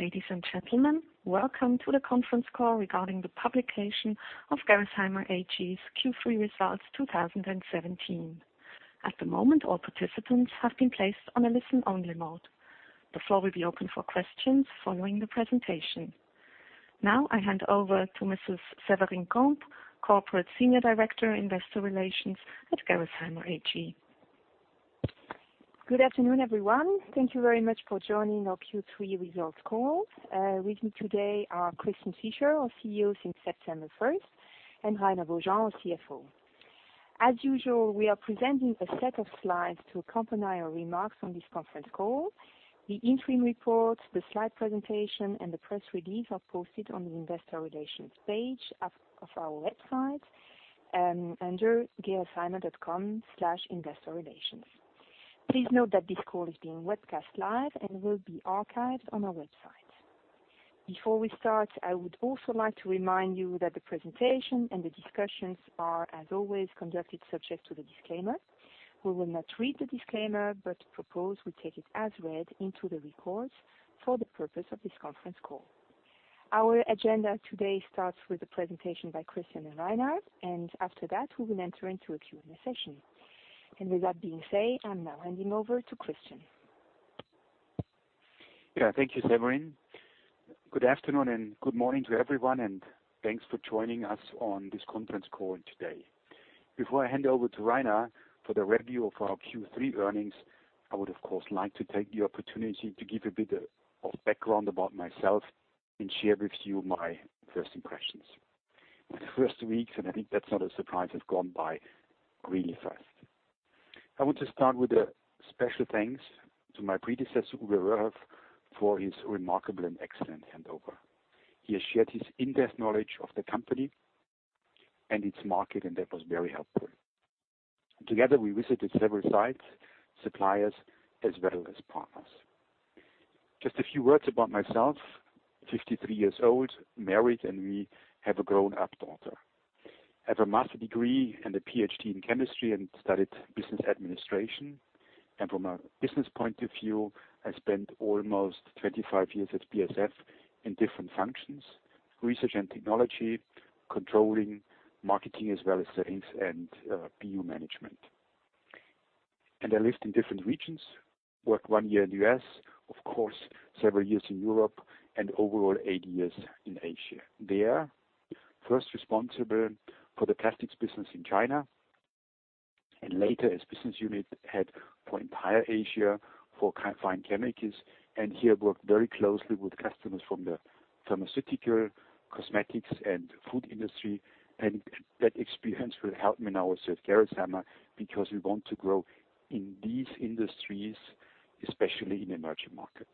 Ladies and gentlemen, welcome to the conference call regarding the publication of Gerresheimer AG's Q3 results 2017. At the moment, all participants have been placed on a listen-only mode. The floor will be open for questions following the presentation. I hand over to Séverine de Comtes, Corporate Senior Director, Investor Relations at Gerresheimer AG. Good afternoon, everyone. Thank you very much for joining our Q3 results call. With me today are Christian Fischer, our CEO since September 1st, and Rainer Beaujean, our CFO. As usual, we are presenting a set of slides to accompany our remarks on this conference call. The interim report, the slide presentation, and the press release are posted on the investor relations page of our website under gerresheimer.com/investorrelations. Please note that this call is being webcast live and will be archived on our website. Before we start, I would also like to remind you that the presentation and the discussions are, as always, conducted subject to the disclaimer. We will not read the disclaimer, but propose we take it as read into the records for the purpose of this conference call. Our agenda today starts with a presentation by Christian and Rainer, and after that we will enter into a Q&A session. With that being said, I am now handing over to Christian. Thank you, Séverine. Good afternoon and good morning to everyone, and thanks for joining us on this conference call today. Before I hand over to Rainer for the review of our Q3 earnings, I would, of course, like to take the opportunity to give a bit of background about myself and share with you my first impressions. My first weeks, and I think that is not a surprise, have gone by really fast. I want to start with a special thanks to my predecessor, Uwe Röhrhoff, for his remarkable and excellent handover. He has shared his in-depth knowledge of the company and its market, and that was very helpful. Together, we visited several sites, suppliers, as well as partners. Just a few words about myself. 53 years old, married, and we have a grown-up daughter. I have a master's degree and a PhD in chemistry, and studied business administration. From a business point of view, I spent almost 25 years at BASF in different functions: research and technology, controlling, marketing, as well as sales and BU management. I lived in different regions, worked one year in the U.S., of course, several years in Europe, and overall 8 years in Asia. There, first responsible for the plastics business in China, and later as business unit head for entire Asia for fine chemicals, and here worked very closely with customers from the pharmaceutical, cosmetics, and food industry. That experience will help me now also at Gerresheimer, because we want to grow in these industries, especially in emerging markets.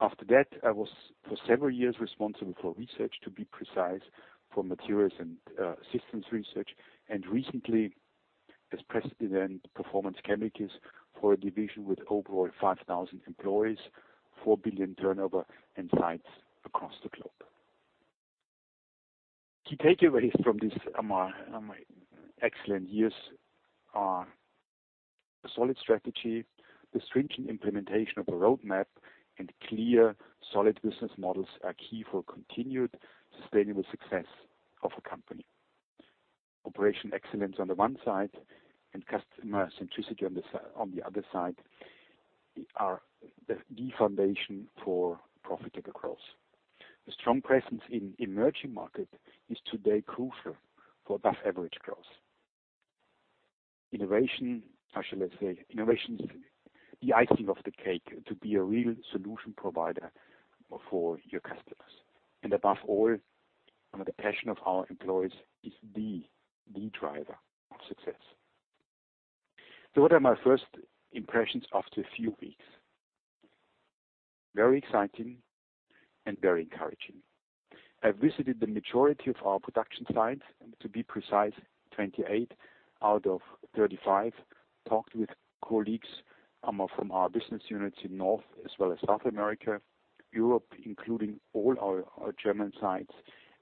After that, I was, for several years, responsible for research, to be precise for materials and systems research, and recently as President Performance Chemicals for a division with overall 5,000 employees, 4 billion turnover, and sites across the globe. Key takeaways from these excellent years are a solid strategy. The stringent implementation of a roadmap and clear, solid business models are key for continued sustainable success of a company. Operation excellence on the one side and customer centricity on the other side are the foundation for profitable growth. A strong presence in emerging market is today crucial for above-average growth. Innovation, how shall I say? Innovation is the icing of the cake to be a real solution provider for your customers. Above all, the passion of our employees is the key driver of success. What are my first impressions after a few weeks? Very exciting and very encouraging. I've visited the majority of our production sites, to be precise, 28 out of 35. Talked with colleagues from our business units in North as well as South America, Europe, including all our German sites.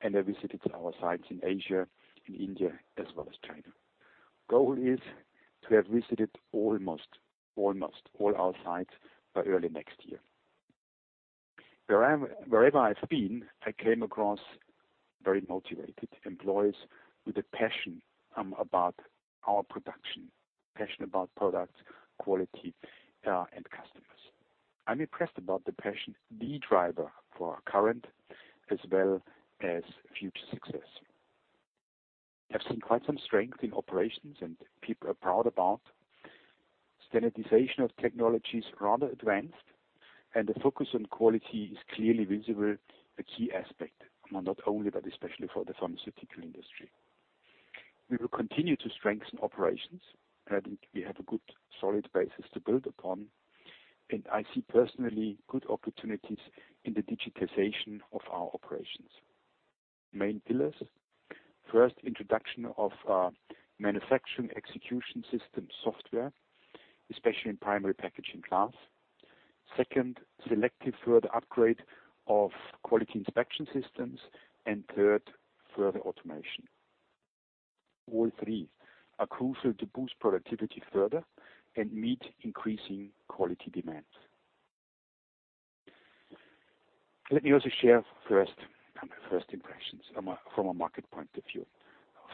I visited our sites in Asia, in India as well as China. Goal is to have visited almost all our sites by early next year. Wherever I've been, I came across very motivated employees with a passion about our production, passion about product quality, and customers. I'm impressed about the passion, the driver for our current as well as future success. I've seen quite some strength in operations, and people are proud about standardization of technologies rather advanced, and the focus on quality is clearly visible, a key aspect, not only but especially for the pharmaceutical industry. We will continue to strengthen operations, and I think we have a good solid basis to build upon. I see personally good opportunities in the digitization of our operations. Main pillars. First, introduction of our manufacturing execution system software, especially in primary packaging plants. Second, selective further upgrade of quality inspection systems. Third, further automation. All three are crucial to boost productivity further and meet increasing quality demands. Let me also share first my first impressions from a market point of view.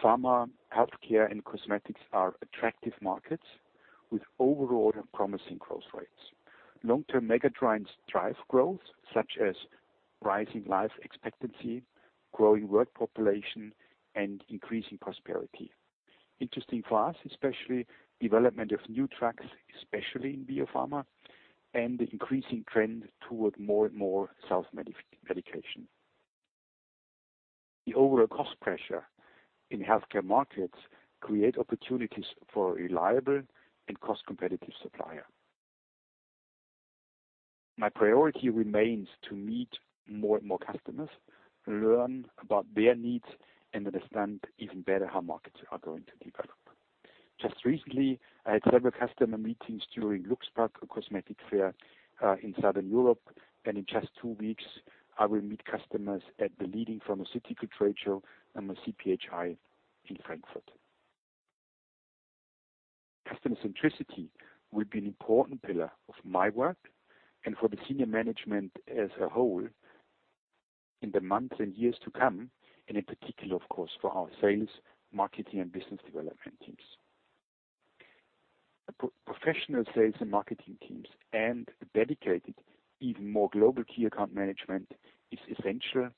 Pharma, healthcare, and cosmetics are attractive markets with overall promising growth rates. Long-term mega trends drive growth, such as rising life expectancy, growing work population, and increasing prosperity. Interesting for us, especially development of new drugs, especially in biopharma and the increasing trend toward more and more self-medication. The overall cost pressure in healthcare markets create opportunities for a reliable and cost-competitive supplier. My priority remains to meet more and more customers, learn about their needs, and understand even better how markets are going to develop. Just recently, I had several customer meetings during Luxe Pack, a cosmetic fair in Southern Europe. In just two weeks I will meet customers at the leading pharmaceutical trade show and the CPHI in Frankfurt. Customer centricity will be an important pillar of my work and for the senior management as a whole in the months and years to come, in particular, of course, for our sales, marketing, and business development teams. Professional sales and marketing teams and dedicated, even more global key account management is essential.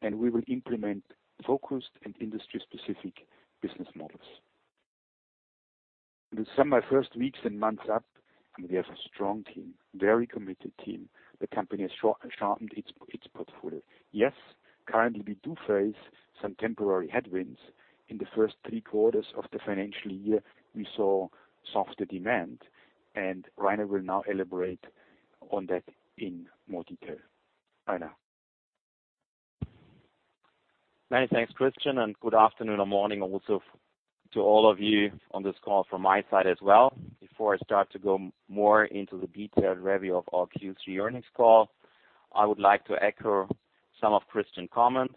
We will implement focused and industry-specific business models. With some of my first weeks and months up, we have a strong team, very committed team. The company has sharpened its portfolio. Yes, currently we do face some temporary headwinds. In the first three quarters of the financial year, we saw softer demand. Rainer will now elaborate on that in more detail. Rainer. Many thanks, Christian, and good afternoon or morning also to all of you on this call from my side as well. Before I start to go more into the detailed review of our Q3 earnings call, I would like to echo some of Christian comments.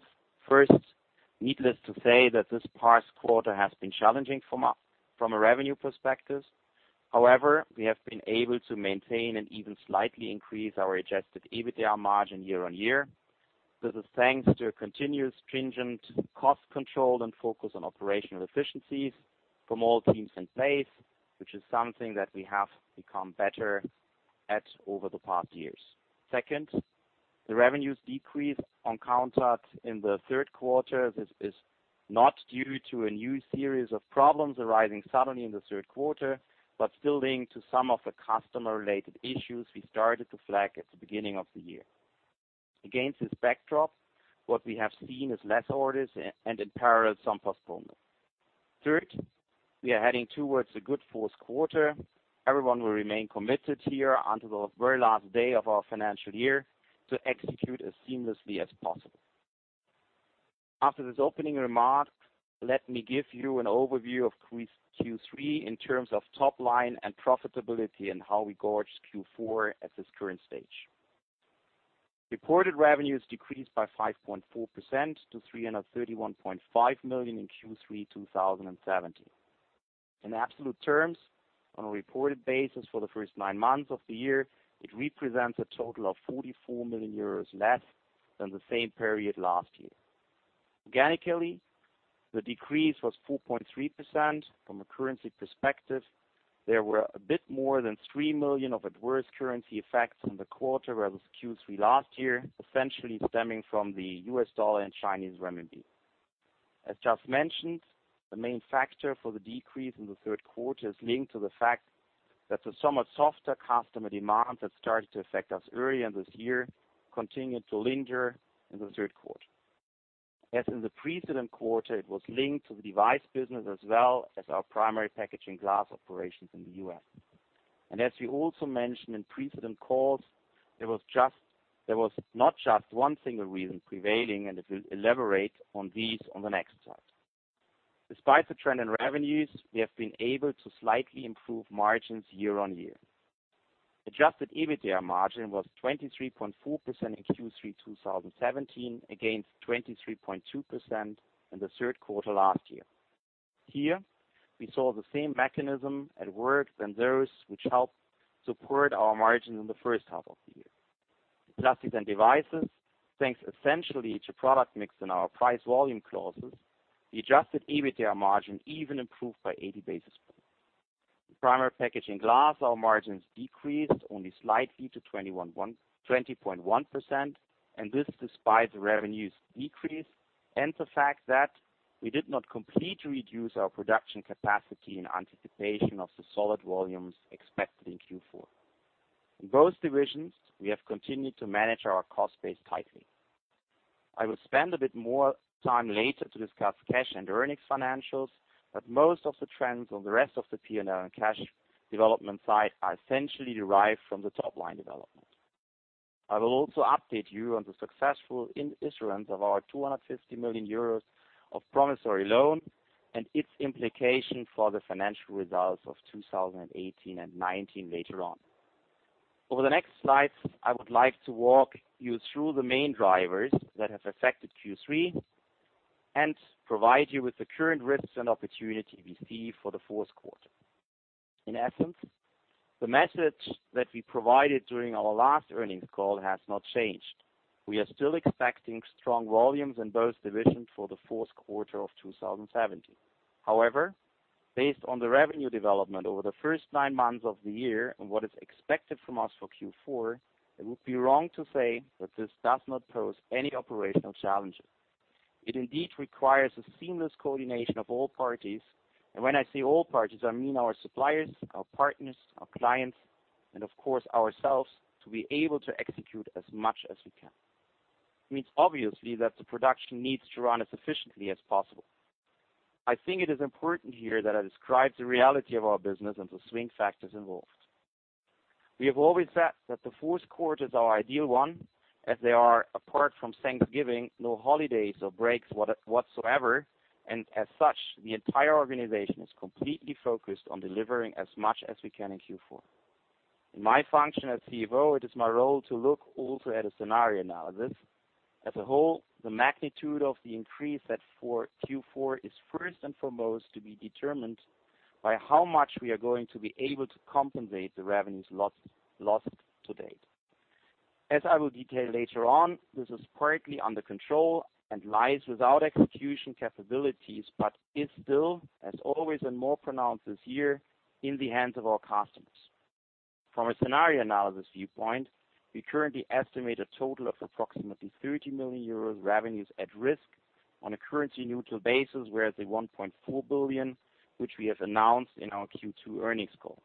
First, needless to say that this past quarter has been challenging from a revenue perspective. However, we have been able to maintain and even slightly increase our adjusted EBITDA margin year-on-year. This is thanks to a continuous stringent cost control and focus on operational efficiencies from all teams in place, which is something that we have become better at over the past years. Second, the revenues decrease encountered in the third quarter. This is not due to a new series of problems arising suddenly in the third quarter, but still linked to some of the customer-related issues we started to flag at the beginning of the year. Against this backdrop, what we have seen is less orders and in parallel, some postponement. Third, we are heading towards a good fourth quarter. Everyone will remain committed here until the very last day of our financial year to execute as seamlessly as possible. After this opening remark, let me give you an overview of Q3 in terms of top line and profitability and how we gauge Q4 at this current stage. Reported revenues decreased by 5.4% to 331.5 million in Q3 2017. In absolute terms, on a reported basis for the first nine months of the year, it represents a total of 44 million euros less than the same period last year. Organically, the decrease was 4.3%. From a currency perspective, there were a bit more than 3 million of adverse currency effects in the quarter versus Q3 last year, essentially stemming from the US dollar and Chinese renminbi. As just mentioned, the main factor for the decrease in the third quarter is linked to the fact that the somewhat softer customer demand that started to affect us earlier this year continued to linger in the third quarter. As in the precedent quarter, it was linked to the device business as well as our primary packaging glass operations in the U.S. As we also mentioned in precedent calls, there was not just one single reason prevailing, and we will elaborate on these on the next slide. Despite the trend in revenues, we have been able to slightly improve margins year-on-year. Adjusted EBITDA margin was 23.4% in Q3 2017 against 23.2% in the third quarter last year. Here, we saw the same mechanism at work than those which helped support our margin in the first half of the year. Plastics and devices, thanks essentially to product mix and our price-volume clauses, the Adjusted EBITDA margin even improved by 80 basis points. In primary packaging glass, our margins decreased only slightly to 20.1%, and this despite the revenues decrease and the fact that we did not completely reduce our production capacity in anticipation of the solid volumes expected in Q4. In both divisions, we have continued to manage our cost base tightly. I will spend a bit more time later to discuss cash and earnings financials, but most of the trends on the rest of the P&L and cash development side are essentially derived from the top-line development. I will also update you on the successful issuance of our 250 million euros of promissory loan and its implication for the financial results of 2018 and 2019 later on. Over the next slides, I would like to walk you through the main drivers that have affected Q3, and provide you with the current risks and opportunity we see for the fourth quarter. In essence, the message that we provided during our last earnings call has not changed. We are still expecting strong volumes in both divisions for the fourth quarter of 2017. However, based on the revenue development over the first nine months of the year and what is expected from us for Q4, it would be wrong to say that this does not pose any operational challenges. It indeed requires a seamless coordination of all parties. When I say all parties, I mean our suppliers, our partners, our clients, and of course, ourselves, to be able to execute as much as we can. It means obviously that the production needs to run as efficiently as possible. I think it is important here that I describe the reality of our business and the swing factors involved. We have always said that the fourth quarter is our ideal one, as there are, apart from Thanksgiving, no holidays or breaks whatsoever, and as such, the entire organization is completely focused on delivering as much as we can in Q4. In my function as CFO, it is my role to look also at a scenario analysis. As a whole, the magnitude of the increase at Q4 is first and foremost to be determined by how much we are going to be able to compensate the revenues lost to date. As I will detail later on, this is partly under control and lies with our execution capabilities, but is still, as always and more pronounced this year, in the hands of our customers. From a scenario analysis viewpoint, we currently estimate a total of approximately 30 million euro revenues at risk on a currency-neutral basis, whereas the 1.4 billion, which we have announced in our Q2 earnings call.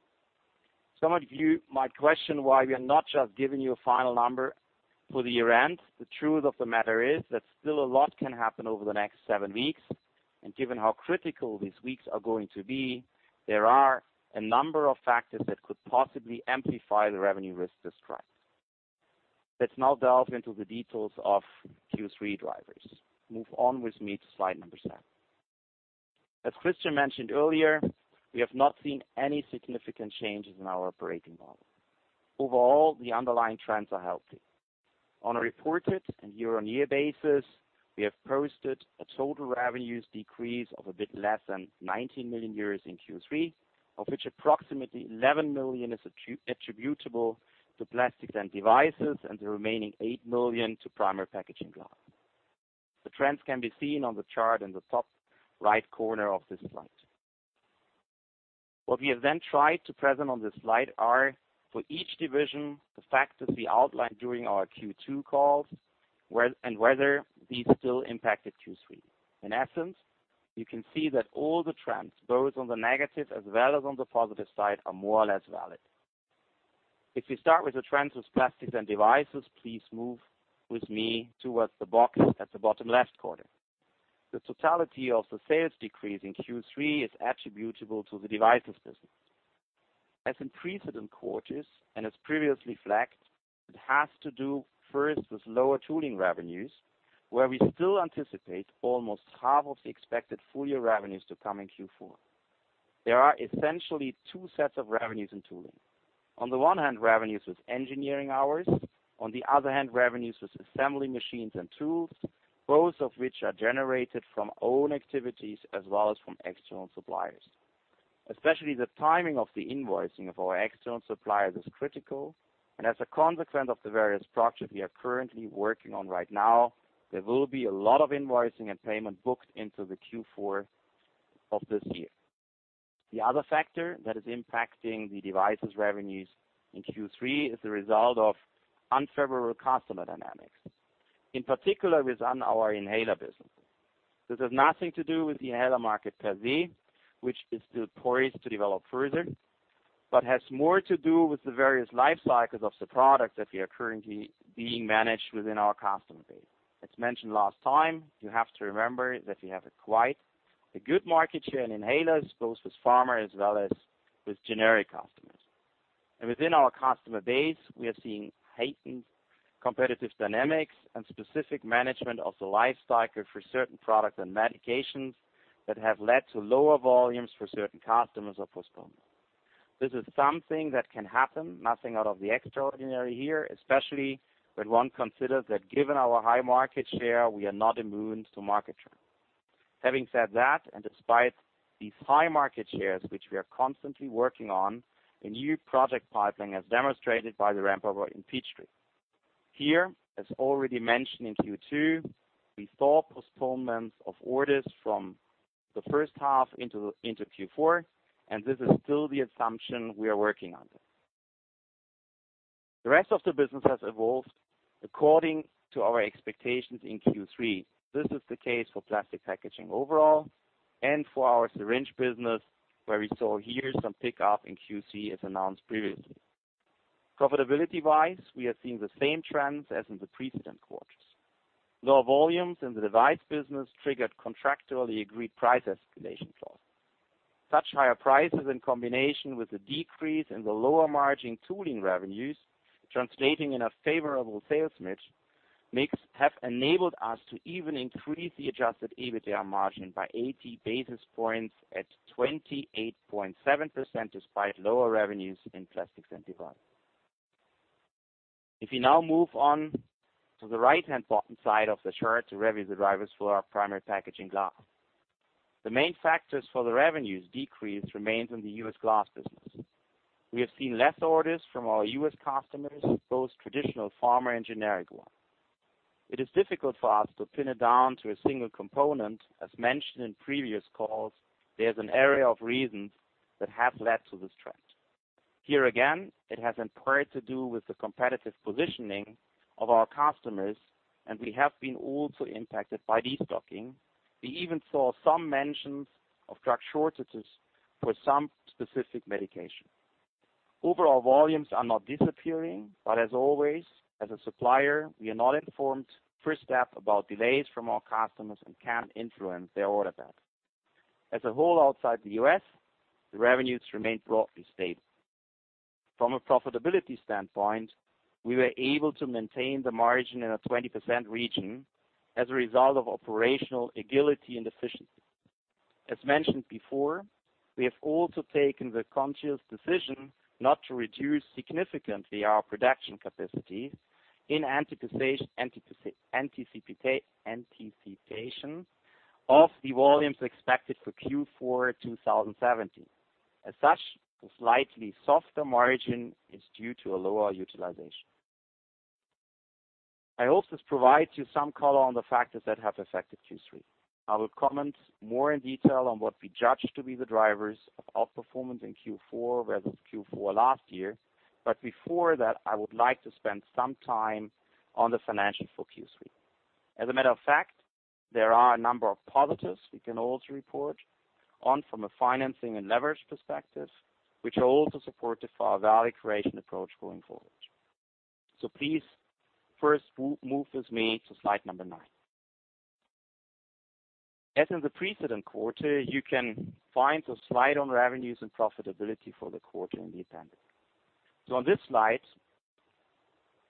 Some of you might question why we are not just giving you a final number for the year-end. The truth of the matter is that still a lot can happen over the next seven weeks, and given how critical these weeks are going to be, there are a number of factors that could possibly amplify the revenue risks described. Let's now delve into the details of Q3 drivers. Move on with me to slide number seven. As Christian mentioned earlier, we have not seen any significant changes in our operating model. Overall, the underlying trends are healthy. On a reported and year-on-year basis, we have posted a total revenues decrease of a bit less than 19 million euros in Q3, of which approximately 11 million is attributable to plastics and devices, and the remaining 8 million to primary packaging glass. The trends can be seen on the chart in the top right corner of this slide. What we have then tried to present on this slide are, for each division, the factors we outlined during our Q2 calls and whether these still impacted Q3. In essence, you can see that all the trends, both on the negative as well as on the positive side, are more or less valid. If we start with the trends with plastics and devices, please move with me towards the box at the bottom left corner. The totality of the sales decrease in Q3 is attributable to the devices business. As in precedent quarters, and as previously flagged, it has to do first with lower tooling revenues, where we still anticipate almost half of the expected full-year revenues to come in Q4. There are essentially two sets of revenues in tooling. On the one hand, revenues with engineering hours, on the other hand, revenues with assembly machines and tools, both of which are generated from own activities as well as from external suppliers. Especially the timing of the invoicing of our external suppliers is critical. As a consequence of the various structures we are currently working on right now, there will be a lot of invoicing and payment booked into the Q4 of this year. The other factor that is impacting the devices revenues in Q3 is the result of unfavorable customer dynamics, in particular within our inhaler business. This has nothing to do with the inhaler market per se, which is still poised to develop further, but has more to do with the various life cycles of the products that we are currently being managed within our customer base. As mentioned last time, you have to remember that we have quite a good market share in inhalers, both with pharma as well as with generic customers. Within our customer base, we are seeing heightened competitive dynamics and specific management of the life cycle for certain products and medications that have led to lower volumes for certain customers or postponement. This is something that can happen, nothing out of the extraordinary here, especially when one considers that given our high market share, we are not immune to market trends. Having said that, despite these high market shares, which we are constantly working on, a new project pipeline, as demonstrated by the ramp-up in Peachtree. Here, as already mentioned in Q2, we saw postponements of orders from the first half into Q4, and this is still the assumption we are working under. The rest of the business has evolved according to our expectations in Q3. This is the case for plastic packaging overall and for our syringe business, where we saw here some pickup in QC as announced previously. Profitability-wise, we are seeing the same trends as in the precedent quarters. Lower volumes in the device business triggered contractually agreed price escalation clause. Such higher prices, in combination with the decrease in the lower margin tooling revenues, translating in a favorable sales mix have enabled us to even increase the adjusted EBITDA margin by 80 basis points at 28.7%, despite lower revenues in plastics and devices. If you now move on to the right-hand bottom side of the chart to review the drivers for our primary packaging glass. The main factors for the revenues decrease remains in the U.S. glass business. We have seen less orders from our U.S. customers, both traditional pharma and generic ones. It is difficult for us to pin it down to a single component. As mentioned in previous calls, there's an array of reasons that have led to this trend. Here again, it has in part to do with the competitive positioning of our customers, and we have been also impacted by destocking. We even saw some mentions of drug shortages for some specific medication. Overall volumes are not disappearing, but as always, as a supplier, we are not informed first up about delays from our customers and can't influence their order pattern. As a whole, outside the U.S., the revenues remain broadly stable. From a profitability standpoint, we were able to maintain the margin in a 20% region as a result of operational agility and efficiency. As mentioned before, we have also taken the conscious decision not to reduce significantly our production capacity in anticipation of the volumes expected for Q4 2017. As such, the slightly softer margin is due to a lower utilization. I hope this provides you some color on the factors that have affected Q3. I will comment more in detail on what we judge to be the drivers of outperformance in Q4 versus Q4 last year. Before that, I would like to spend some time on the financials for Q3. As a matter of fact, there are a number of positives we can also report on from a financing and leverage perspective, which are also supportive for our value creation approach going forward. Please, first, move with me to slide number nine. As in the preceding quarter, you can find the slide on revenues and profitability for the quarter in the appendix. On this slide,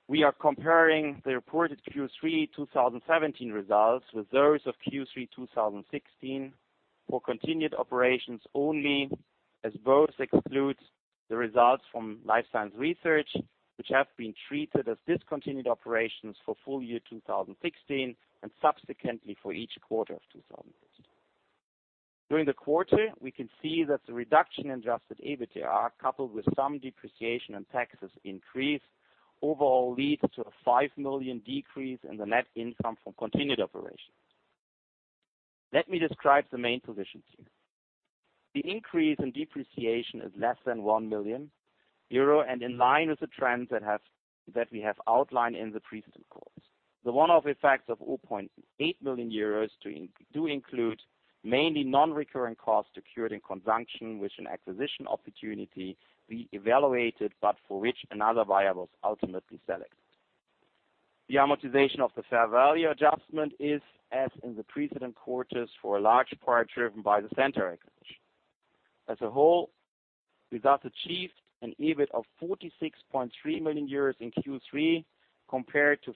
we are comparing the reported Q3 2017 results with those of Q3 2016 for continued operations only, as both exclude the results from Life Science Research, which have been treated as discontinued operations for full year 2016, and subsequently for each quarter of 2016. During the quarter, we can see that the reduction in adjusted EBITDA, coupled with some depreciation and taxes increase overall leads to a 5 million decrease in the net income from continued operations. Let me describe the main positions here. The increase in depreciation is less than 1 million euro and in line with the trends that we have outlined in the preceding quarters. The one-off effects of 8 million euros do include mainly non-recurring costs secured in conjunction with an acquisition opportunity we evaluated, but for which another buyer was ultimately selected. The amortization of the fair value adjustment is, as in the preceding quarters, for a large part driven by the Centor acquisition. As a whole, we thus achieved an EBIT of 46.3 million euros in Q3 compared to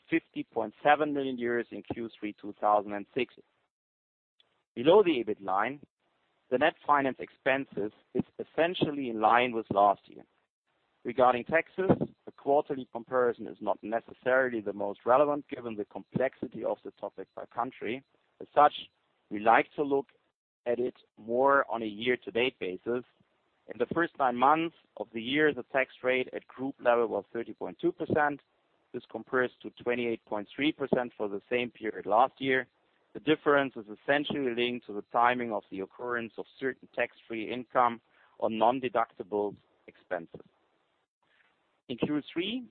50.7 million euros in Q3 2016. Below the EBIT line, the net finance expenses is essentially in line with last year. Regarding taxes, the quarterly comparison is not necessarily the most relevant given the complexity of the topic by country. As such, we like to look at it more on a year-to-date basis. In the first nine months of the year, the tax rate at group level was 30.2%. This compares to 28.3% for the same period last year. The difference is essentially linked to the timing of the occurrence of certain tax-free income or non-deductible expenses. In Q3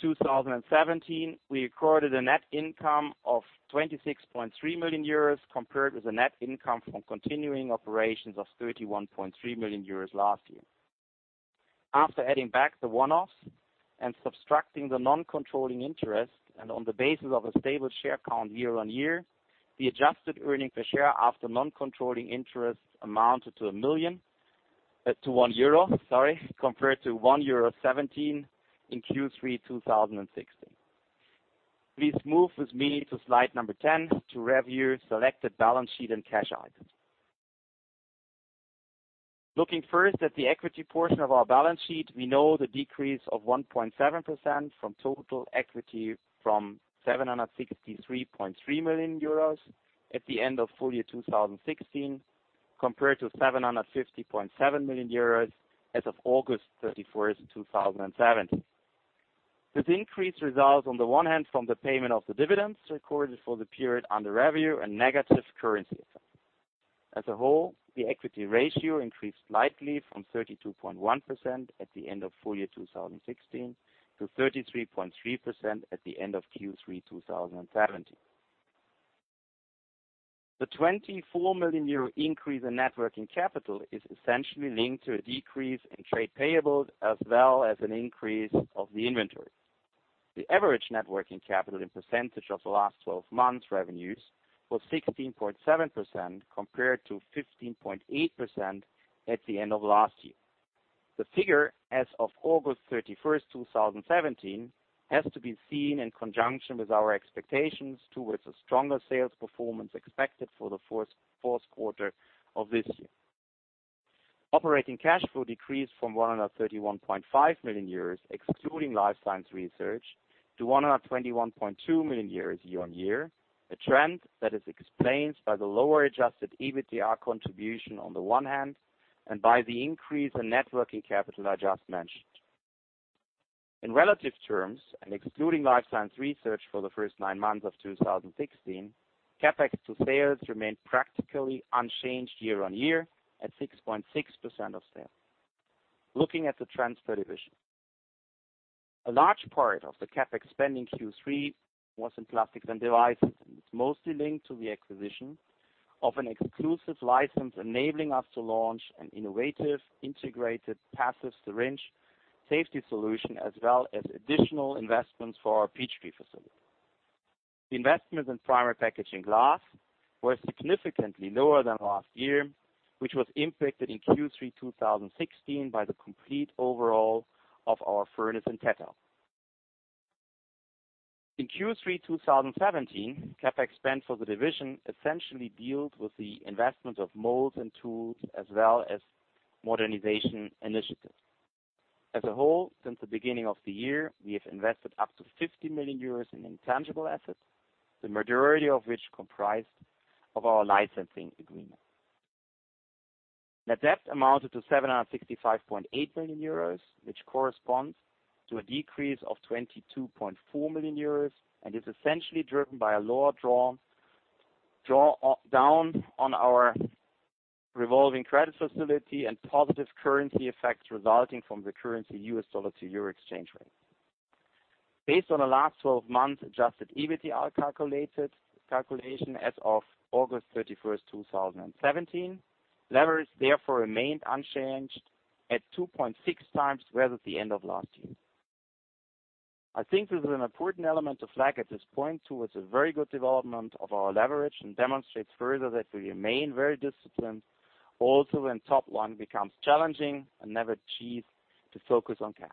2017, we recorded a net income of 26.3 million euros compared with a net income from continuing operations of 31.3 million euros last year. After adding back the one-offs and subtracting the non-controlling interest and on the basis of a stable share count year on year, the adjusted earning per share after non-controlling interest amounted to 1 euro, compared to 1.17 euro in Q3 2016. Please move with me to slide number 10 to review selected balance sheet and cash items. Looking first at the equity portion of our balance sheet, we note the decrease of 1.7% from total equity from 763.3 million euros at the end of full year 2016, compared to 750.7 million euros as of August 31st, 2017. This increase results, on the one hand, from the payment of the dividends recorded for the period under review and negative currency effect. As a whole, the equity ratio increased slightly from 32.1% at the end of full year 2016 to 33.3% at the end of Q3 2017. The 24 million euro increase in net working capital is essentially linked to a decrease in trade payables as well as an increase of the inventory. The average net working capital in percentage of the last 12 months revenues was 16.7% compared to 15.8% at the end of last year. The figure as of August 31st, 2017, has to be seen in conjunction with our expectations towards a stronger sales performance expected for the fourth quarter of this year. Operating cash flow decreased from 131.5 million euros, excluding Life Science Research, to 121.2 million euros year-on-year, a trend that is explained by the lower adjusted EBITDA contribution on the one hand, and by the increase in net working capital I just mentioned. In relative terms, and excluding Life Science Research for the first nine months of 2016, CapEx to sales remained practically unchanged year-on-year at 6.6% of sales. Looking at the transfer division. A large part of the CapEx spend in Q3 was in plastics and devices, and it's mostly linked to the acquisition of an exclusive license enabling us to launch an innovative, integrated passive syringe safety solution, as well as additional investments for our Peachtree facility. The investments in primary packaging glass were significantly lower than last year, which was impacted in Q3 2016 by the complete overhaul of our furnace in Tettau. In Q3 2017, CapEx spend for the division essentially deals with the investment of molds and tools as well as modernization initiatives. As a whole, since the beginning of the year, we have invested up to 50 million euros in intangible assets, the majority of which comprised of our licensing agreement. Net debt amounted to 765.8 million euros, which corresponds to a decrease of 22.4 million euros and is essentially driven by a lower draw down on our revolving credit facility and positive currency effects resulting from the currency US dollar to euro exchange rate. Based on the last 12 months adjusted EBITDA calculation as of August 31st, 2017, leverage therefore remained unchanged at 2.6 times, whereas at the end of last year. I think this is an important element to flag at this point towards the very good development of our leverage and demonstrates further that we remain very disciplined also when top line becomes challenging and never cease to focus on cash.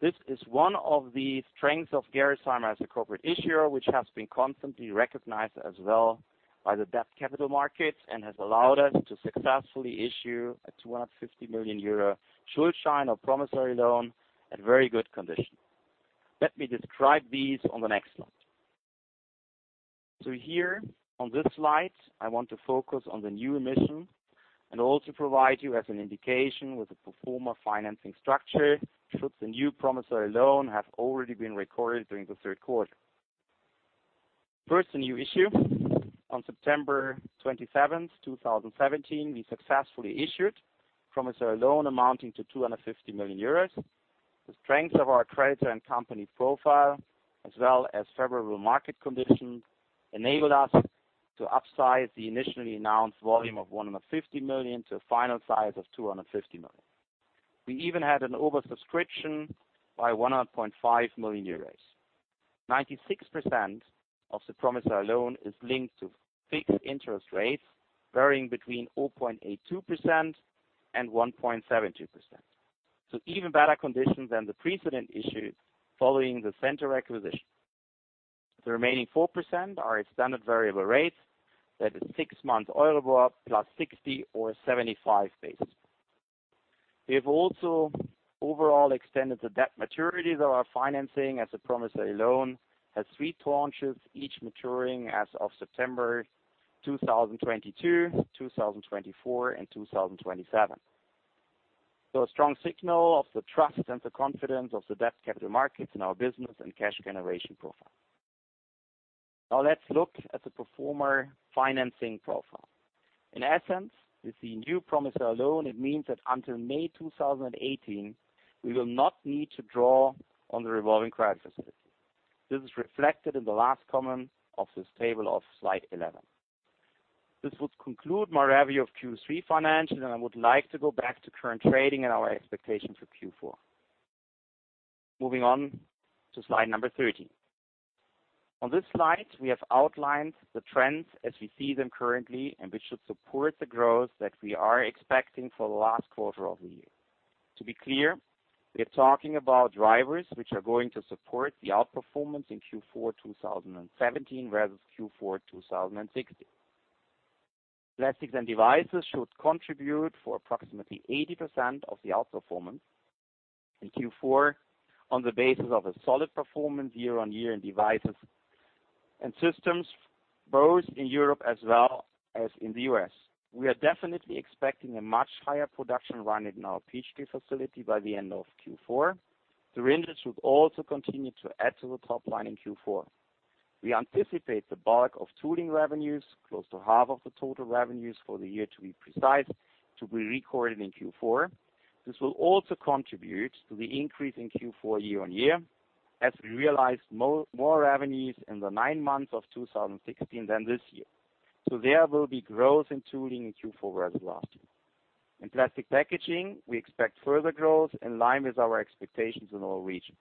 This is one of the strengths of Gerresheimer as a corporate issuer, which has been constantly recognized as well by the debt capital markets and has allowed us to successfully issue a 250 million euro Schuldschein or promissory loan at very good conditions. Let me describe these on the next slide. Here on this slide, I want to focus on the new emission and also provide you as an indication with the pro forma financing structure should the new promissory loan have already been recorded during the third quarter. First, the new issue. On September 27th, 2017, we successfully issued a promissory loan amounting to 250 million euros. The strength of our credit and company profile, as well as favorable market conditions, enabled us to upsize the initially announced volume of 150 million to a final size of 250 million. We even had an over-subscription by 100.5 million euros. 96% of the promissory loan is linked to fixed interest rates, varying between 0.82% and 1.72%. Even better conditions than the precedent issues following the Centor acquisition. The remaining 4% are a standard variable rate that is six months EURIBOR plus 60 or 75 basis points. We have also overall extended the debt maturities of our financing as the promissory loan has three tranches, each maturing as of September 2022, 2024, and 2027. A strong signal of the trust and the confidence of the debt capital markets in our business and cash generation profile. Now let's look at the pro forma financing profile. In essence, with the new promissory loan, it means that until May 2018, we will not need to draw on the revolving credit facility. This is reflected in the last column of this table of slide 11. This would conclude my review of Q3 financials, and I would like to go back to current trading and our expectations for Q4. Moving on to slide number 13. On this slide, we have outlined the trends as we see them currently and which should support the growth that we are expecting for the last quarter of the year. To be clear, we are talking about drivers which are going to support the outperformance in Q4 2017 whereas Q4 2016. Plastics and devices should contribute for approximately 80% of the outperformance in Q4 on the basis of a solid performance year-on-year in devices and systems, both in Europe as well as in the U.S. We are definitely expecting a much higher production run in our Peachtree facility by the end of Q4. Syringes should also continue to add to the top line in Q4. We anticipate the bulk of tooling revenues, close to half of the total revenues for the year to be precise, to be recorded in Q4. This will also contribute to the increase in Q4 year-on-year, as we realized more revenues in the nine months of 2016 than this year. There will be growth in tooling in Q4 whereas last year. In plastic packaging, we expect further growth in line with our expectations in all regions.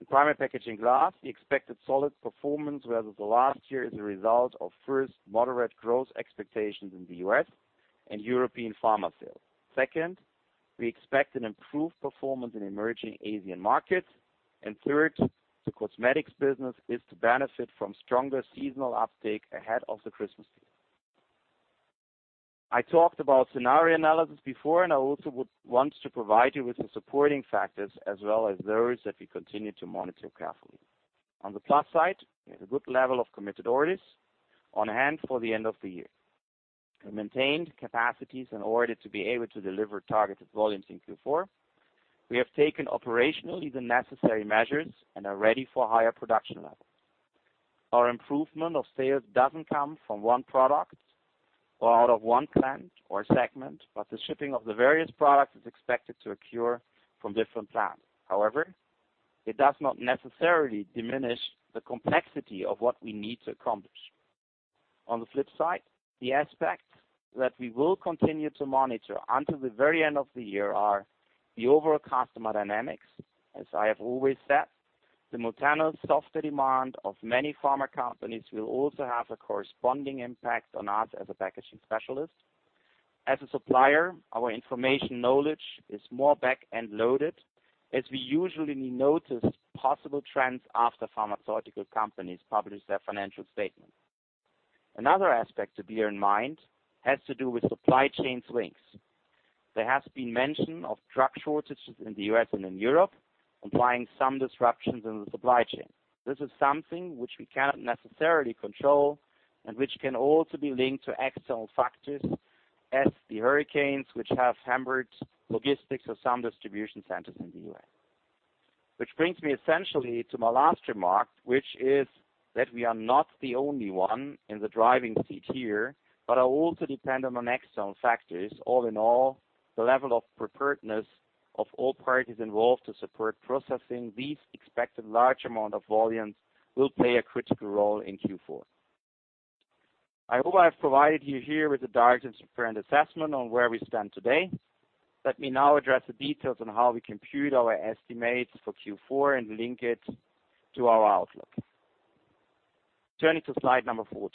In primary packaging glass, the expected solid performance versus the last year is a result of, first, moderate growth expectations in the U.S. and European pharma sales. Second, we expect an improved performance in emerging Asian markets. Third, the cosmetics business is to benefit from stronger seasonal uptake ahead of the Christmas season. I talked about scenario analysis before, and I also would want to provide you with the supporting factors as well as those that we continue to monitor carefully. On the plus side, we have a good level of committed orders on hand for the end of the year. We maintained capacities in order to be able to deliver targeted volumes in Q4. We have taken operationally the necessary measures and are ready for higher production levels. Our improvement of sales doesn't come from one product or out of one plant or segment, but the shipping of the various products is expected to occur from different plants. However, it does not necessarily diminish the complexity of what we need to accomplish. On the flip side, the aspects that we will continue to monitor until the very end of the year are the overall customer dynamics. As I have always said, the seasonal softer demand of many pharma companies will also have a corresponding impact on us as a packaging specialist. As a supplier, our information knowledge is more back-end loaded as we usually notice possible trends after pharmaceutical companies publish their financial statements. Another aspect to bear in mind has to do with supply chain swings. There has been mention of drug shortages in the U.S. and in Europe, implying some disruptions in the supply chain. This is something which we cannot necessarily control and which can also be linked to external factors as the hurricanes, which have hampered logistics of some distribution centers in the U.S. This brings me essentially to my last remark, which is that we are not the only one in the driving seat here, but are also dependent on external factors. All in all, the level of preparedness of all parties involved to support processing these expected large amount of volumes will play a critical role in Q4. I hope I have provided you here with a direct and transparent assessment on where we stand today. Let me now address the details on how we compute our estimates for Q4 and link it to our outlook. Turning to slide 14.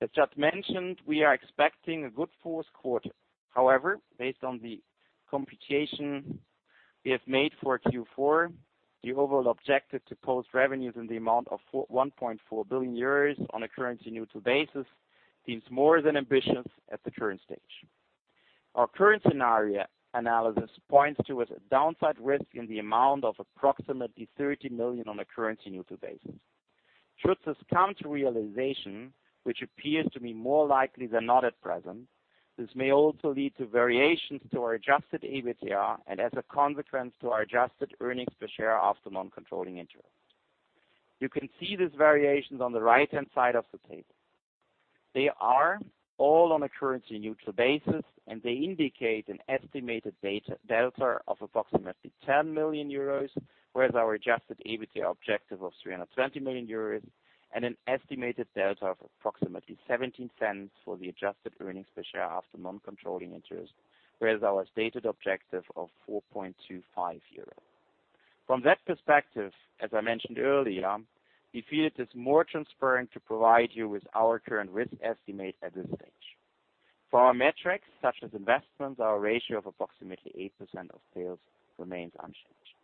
As just mentioned, we are expecting a good fourth quarter. Based on the computation we have made for Q4, the overall objective to post revenues in the amount of 1.4 billion euros on a currency-neutral basis seems more than ambitious at the current stage. Our current scenario analysis points towards a downside risk in the amount of approximately 30 million on a currency-neutral basis. Should this come to realization, which appears to be more likely than not at present, this may also lead to variations to our adjusted EBITDA and, as a consequence, to our adjusted earnings per share after non-controlling interest. You can see these variations on the right-hand side of the table. They are all on a currency-neutral basis. They indicate an estimated delta of approximately 10 million euros, whereas our adjusted EBITDA objective of 320 million euros and an estimated delta of approximately 0.17 for the adjusted earnings per share after non-controlling interest, whereas our stated objective of 4.25 euros. From that perspective, as I mentioned earlier, we feel it is more transparent to provide you with our current risk estimate at this stage. For our metrics, such as investments, our ratio of approximately 8% of sales remains unchanged.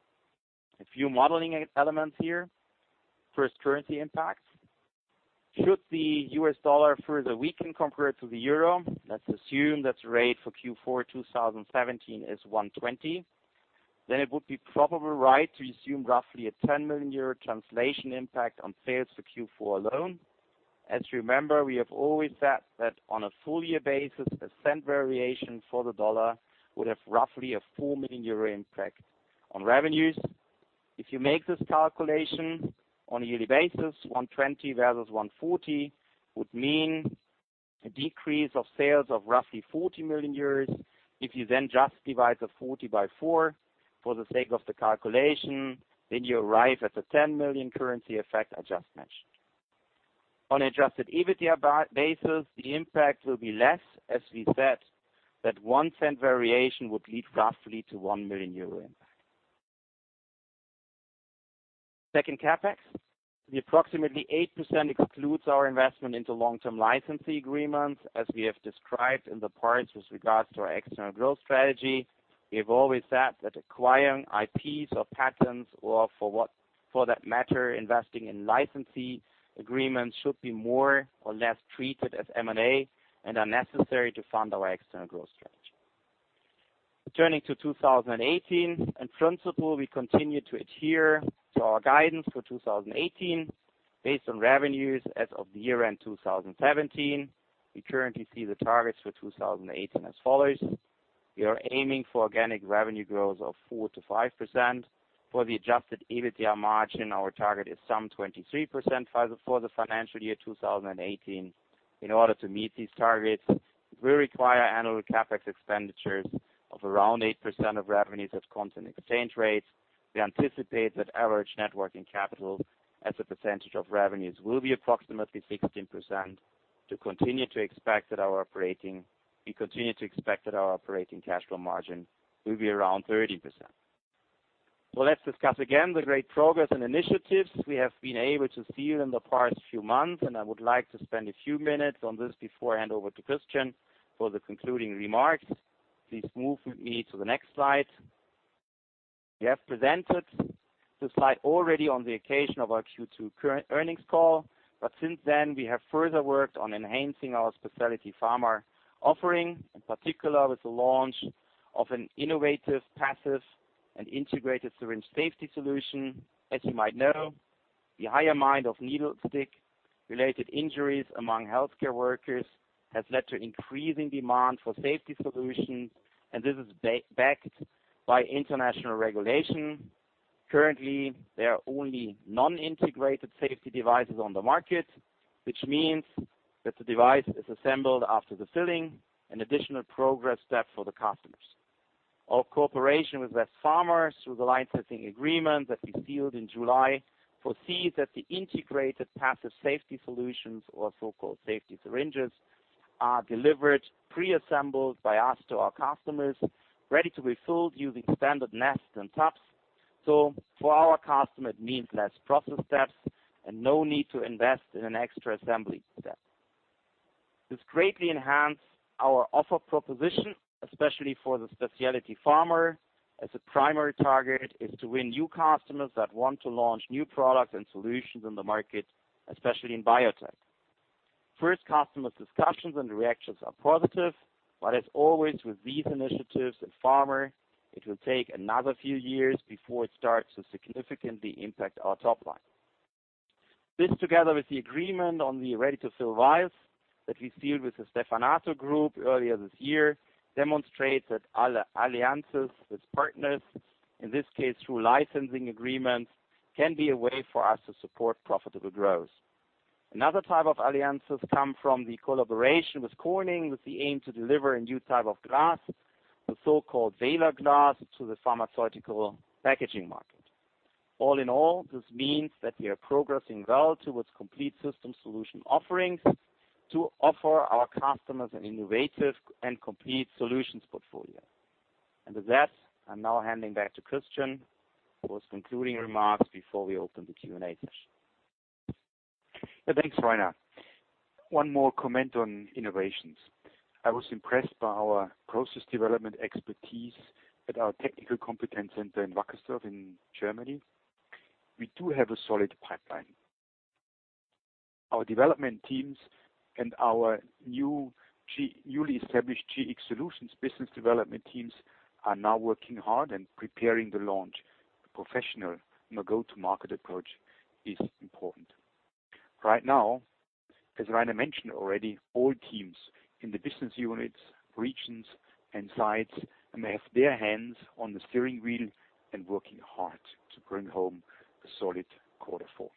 A few modeling elements here. First, currency impacts. Should the U.S. dollar further weaken compared to the euro, let's assume that the rate for Q4 2017 is 120, then it would be probably right to assume roughly a 10 million euro translation impact on sales for Q4 alone. As you remember, we have always said that on a full year basis, a cent variation for the dollar would have roughly a 4 million euro impact on revenues. If you make this calculation on a yearly basis, 120 versus 140 would mean a decrease of sales of roughly 40 million euros. If you then just divide the 40 by four for the sake of the calculation, then you arrive at the 10 million currency effect I just mentioned. On adjusted EBITDA basis, the impact will be less as we said that 0.01 variation would lead roughly to 1 million euro impact. Second, CapEx. The approximately 8% excludes our investment into long-term licensee agreements. As we have described in the past with regards to our external growth strategy, we have always said that acquiring IPs or patents or for that matter, investing in licensee agreements should be more or less treated as M&A and are necessary to fund our external growth strategy. Turning to 2018. In principle, we continue to adhere to our guidance for 2018. Based on revenues as of the year-end 2017, we currently see the targets for 2018 as follows. We are aiming for organic revenue growth of 4%-5%. For the adjusted EBITDA margin, our target is some 23% for the financial year 2018. In order to meet these targets, we require annual CapEx expenditures of around 8% of revenues at constant exchange rates. We anticipate that average net working capital as a percentage of revenues will be approximately 16%. To continue to expect that our operating cash flow margin will be around 30%. Let's discuss again the great progress and initiatives we have been able to seal in the past few months, and I would like to spend a few minutes on this before I hand over to Christian for the concluding remarks. Please move with me to the next slide. We have presented the slide already on the occasion of our Q2 current earnings call. But since then, we have further worked on enhancing our specialty pharma offering, in particular with the launch of an innovative, passive, and integrated syringe safety solution. As you might know, the high amount of needlestick-related injuries among healthcare workers has led to increasing demand for safety solutions, and this is backed by international regulation. Currently, there are only non-integrated safety devices on the market, which means that the device is assembled after the filling, an additional progress step for the customers. Our cooperation with West Pharma through the licensing agreement that we sealed in July, foresees that the integrated passive safety solutions or so-called safety syringes, are delivered preassembled by us to our customers, ready to be filled using standard nests and tops. So for our customer, it means less process steps and no need to invest in an extra assembly step. This greatly enhanced our offer proposition, especially for the specialty pharma, as the primary target is to win new customers that want to launch new products and solutions in the market, especially in biotech. First customers' discussions and reactions are positive, but as always, with these initiatives in pharma, it will take another few years before it starts to significantly impact our top line. This together with the agreement on the ready-to-fill vials that we sealed with the Stevanato Group earlier this year, demonstrates that our alliances with partners, in this case through licensing agreements, can be a way for us to support profitable growth. Another type of alliances come from the collaboration with Corning with the aim to deliver a new type of glass, the so-called Valor Glass, to the pharmaceutical packaging market. All in all, this means that we are progressing well towards complete system solution offerings to offer our customers an innovative and complete solutions portfolio. And with that, I'm now handing back to Christian for his concluding remarks before we open the Q&A session. Thanks, Rainer. One more comment on innovations. I was impressed by our process development expertise at our technical competence Centor in Wackersdorf in Germany. We do have a solid pipeline. Our development teams and our newly established Gx Solutions business development teams are now working hard and preparing the launch. A professional go-to-market approach is important. Right now, as Rainer mentioned already, all teams in the business units, regions, and sites have their hands on the steering wheel and working hard to bring home a solid quarter four.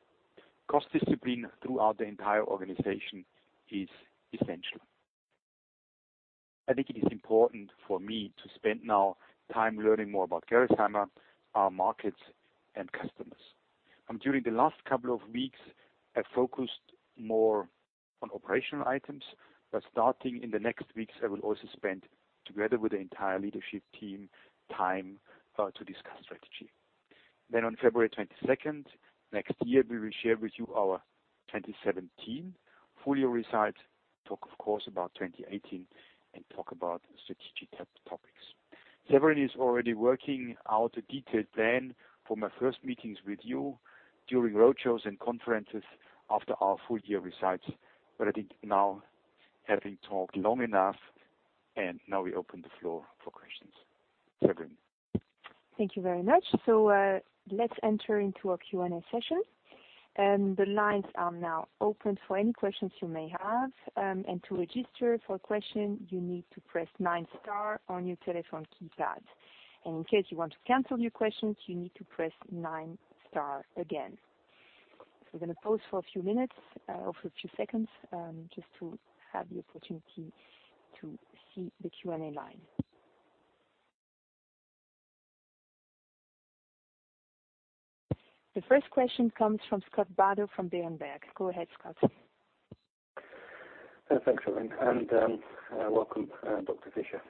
Cost discipline throughout the entire organization is essential. I think it is important for me to spend now time learning more about Gerresheimer, our markets, and customers. During the last couple of weeks, I focused more on operational items, but starting in the next weeks, I will also spend, together with the entire leadership team, time to discuss strategy. Then on February 22nd next year, we will share with you our 2017 full-year results. Talk, of course, about 2018 and talk about strategic topics. Séverine is already working out a detailed plan for my first meetings with you during road shows and conferences after our full-year results. But I think now having talked long enough, and now we open the floor for questions. Séverine. Thank you very much. So, let's enter into our Q&A session. The lines are now open for any questions you may have. To register for a question, you need to press nine star on your telephone keypad. In case you want to cancel your questions, you need to press nine star again. So we're going to pause for a few minutes or for a few seconds, just to have the opportunity to see the Q&A line. The first question comes from Scott Bardo from Berenberg. Go ahead, Scott. Thanks, Séverine, and welcome, Dr. Fischer.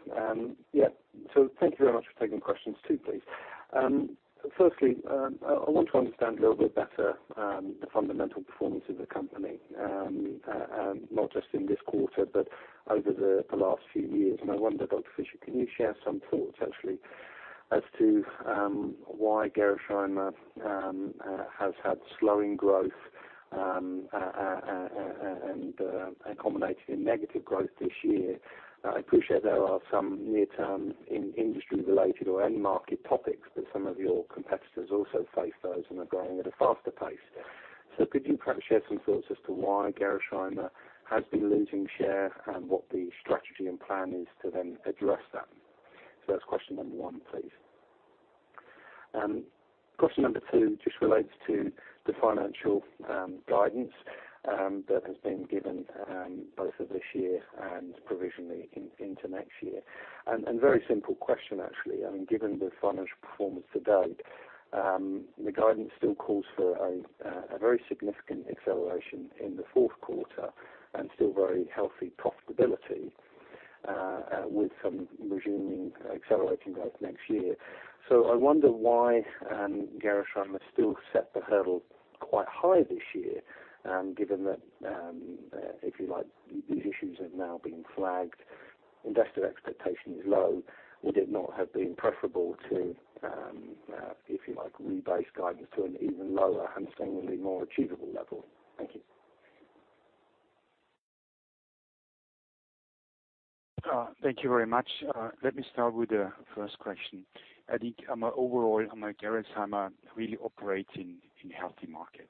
So thank you very much for taking questions two, please. Firstly, I want to understand a little bit better, the fundamental performance of the company, not just in this quarter, but over the last few years. I wonder, Dr. Fischer, can you share some thoughts, actually, as to why Gerresheimer has had slowing growth and culminating in negative growth this year. I appreciate there are some near-term industry-related or end-market topics, but some of your competitors also face those and are growing at a faster pace. So could you perhaps share some thoughts as to why Gerresheimer has been losing share and what the strategy and plan is to then address that. So that's question number one, please. Question number two just relates to the financial guidance that has been given by Provisionally into next year. Very simple question actually, given the financial performance to date, the guidance still calls for a very significant acceleration in the fourth quarter and still very healthy profitability with some resuming accelerating growth next year. I wonder why Gerresheimer still set the hurdle quite high this year, given that, if you like, these issues have now been flagged. Investor expectation is low. Would it not have been preferable to, if you like, rebase guidance to an even lower and seemingly more achievable level? Thank you. Thank you very much. Let me start with the first question. I think overall, Gerresheimer really operating in healthy markets.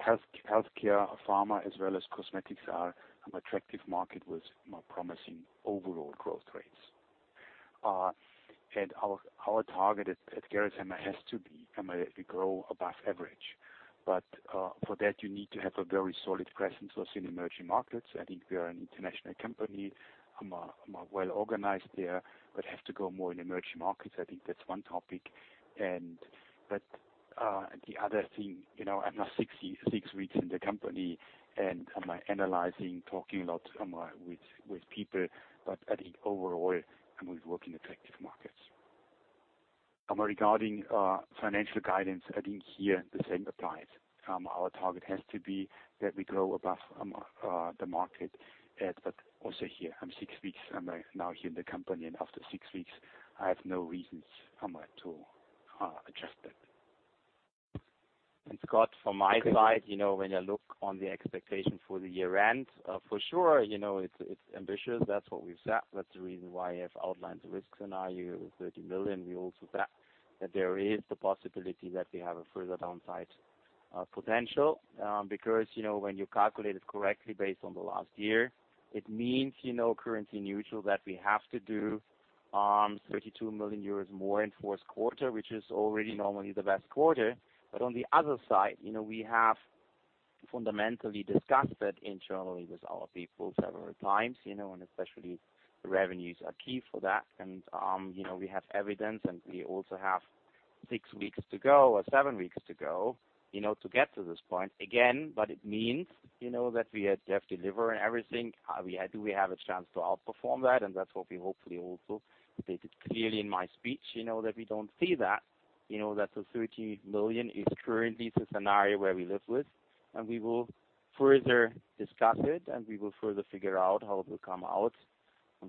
Healthcare, pharma, as well as cosmetics are attractive market with more promising overall growth rates. Our target at Gerresheimer has to be, we grow above average. For that, you need to have a very solid presence also in emerging markets. I think we are an international company. I'm well-organized there, but have to go more in emerging markets. I think that's one topic. The other thing, I'm now six weeks in the company and I'm analyzing, talking a lot with people. I think overall, we work in attractive markets. Regarding financial guidance, I think here the same applies. Our target has to be that we grow above the market, also here, I'm six weeks now here in the company, and after six weeks, I have no reasons to adjust that. Scott, from my side, when I look on the expectation for the year end, for sure, it's ambitious. That's what we've set. That's the reason why I have outlined the risk scenario of the 30 million. We also said that there is the possibility that we have a further downside potential. When you calculate it correctly based on the last year, it means currency neutral that we have to do 32 million euros more in fourth quarter, which is already normally the best quarter. On the other side, we have fundamentally discussed it internally with our people several times, and especially the revenues are key for that. We have evidence, and we also have six weeks to go or seven weeks to go, to get to this point. Again, it means, that we have to deliver and everything. Do we have a chance to outperform that's what we hopefully also stated clearly in my speech, that we don't see that the 30 million is currently the scenario where we live with. We will further discuss it, and we will further figure out how it will come out.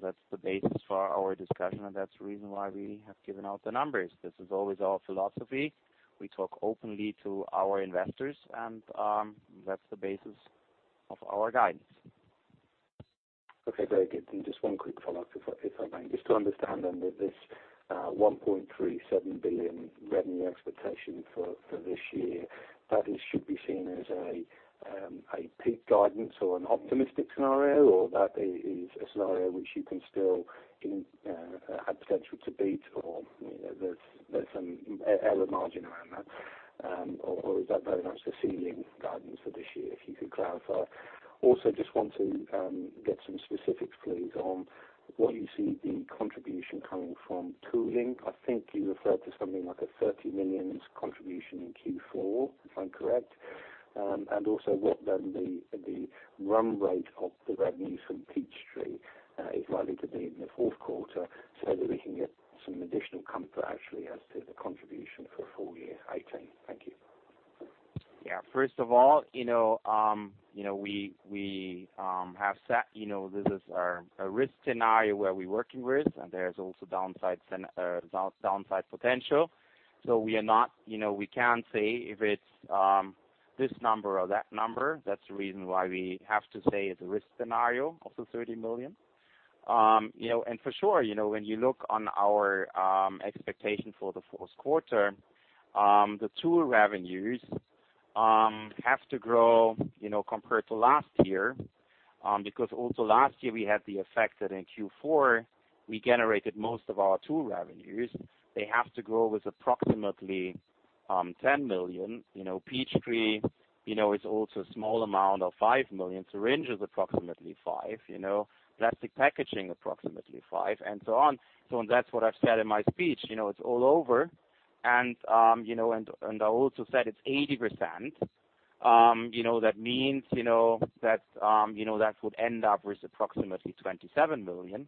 That's the basis for our discussion, and that's the reason why we have given out the numbers. This is always our philosophy. We talk openly to our investors, and that's the basis of our guidance. Okay. Very good. Just one quick follow-up, if I may. Just to understand then with this 1.37 billion revenue expectation for this year, that it should be seen as a peak guidance or an optimistic scenario, or that is a scenario which you can still have potential to beat or there's some error margin around that. Or is that very much the ceiling guidance for this year, if you could clarify? Also, just want to get some specifics, please, on what you see the contribution coming from tooling. I think you referred to something like a 30 million contribution in Q4, if I'm correct. Also what then the run rate of the revenues from Peachtree is likely to be in the fourth quarter so that we can get some additional comfort actually as to the contribution for full year 2018. Thank you. First of all, we have set, this is our risk scenario where we working with, there is also downside potential. We can't say if it's this number or that number. That's the reason why we have to say it's a risk scenario of the 30 million. For sure, when you look on our expectation for the fourth quarter, the tool revenues have to grow, compared to last year. Because also last year we had the effect that in Q4 we generated most of our tool revenues. They have to grow with approximately 10 million. Peachtree, is also a small amount of 5 million. Syringe is approximately 5 million. Plastic packaging, approximately 5 million, and so on. That's what I've said in my speech, it's all over. I also said it's 80%. That means that would end up with approximately 27 million,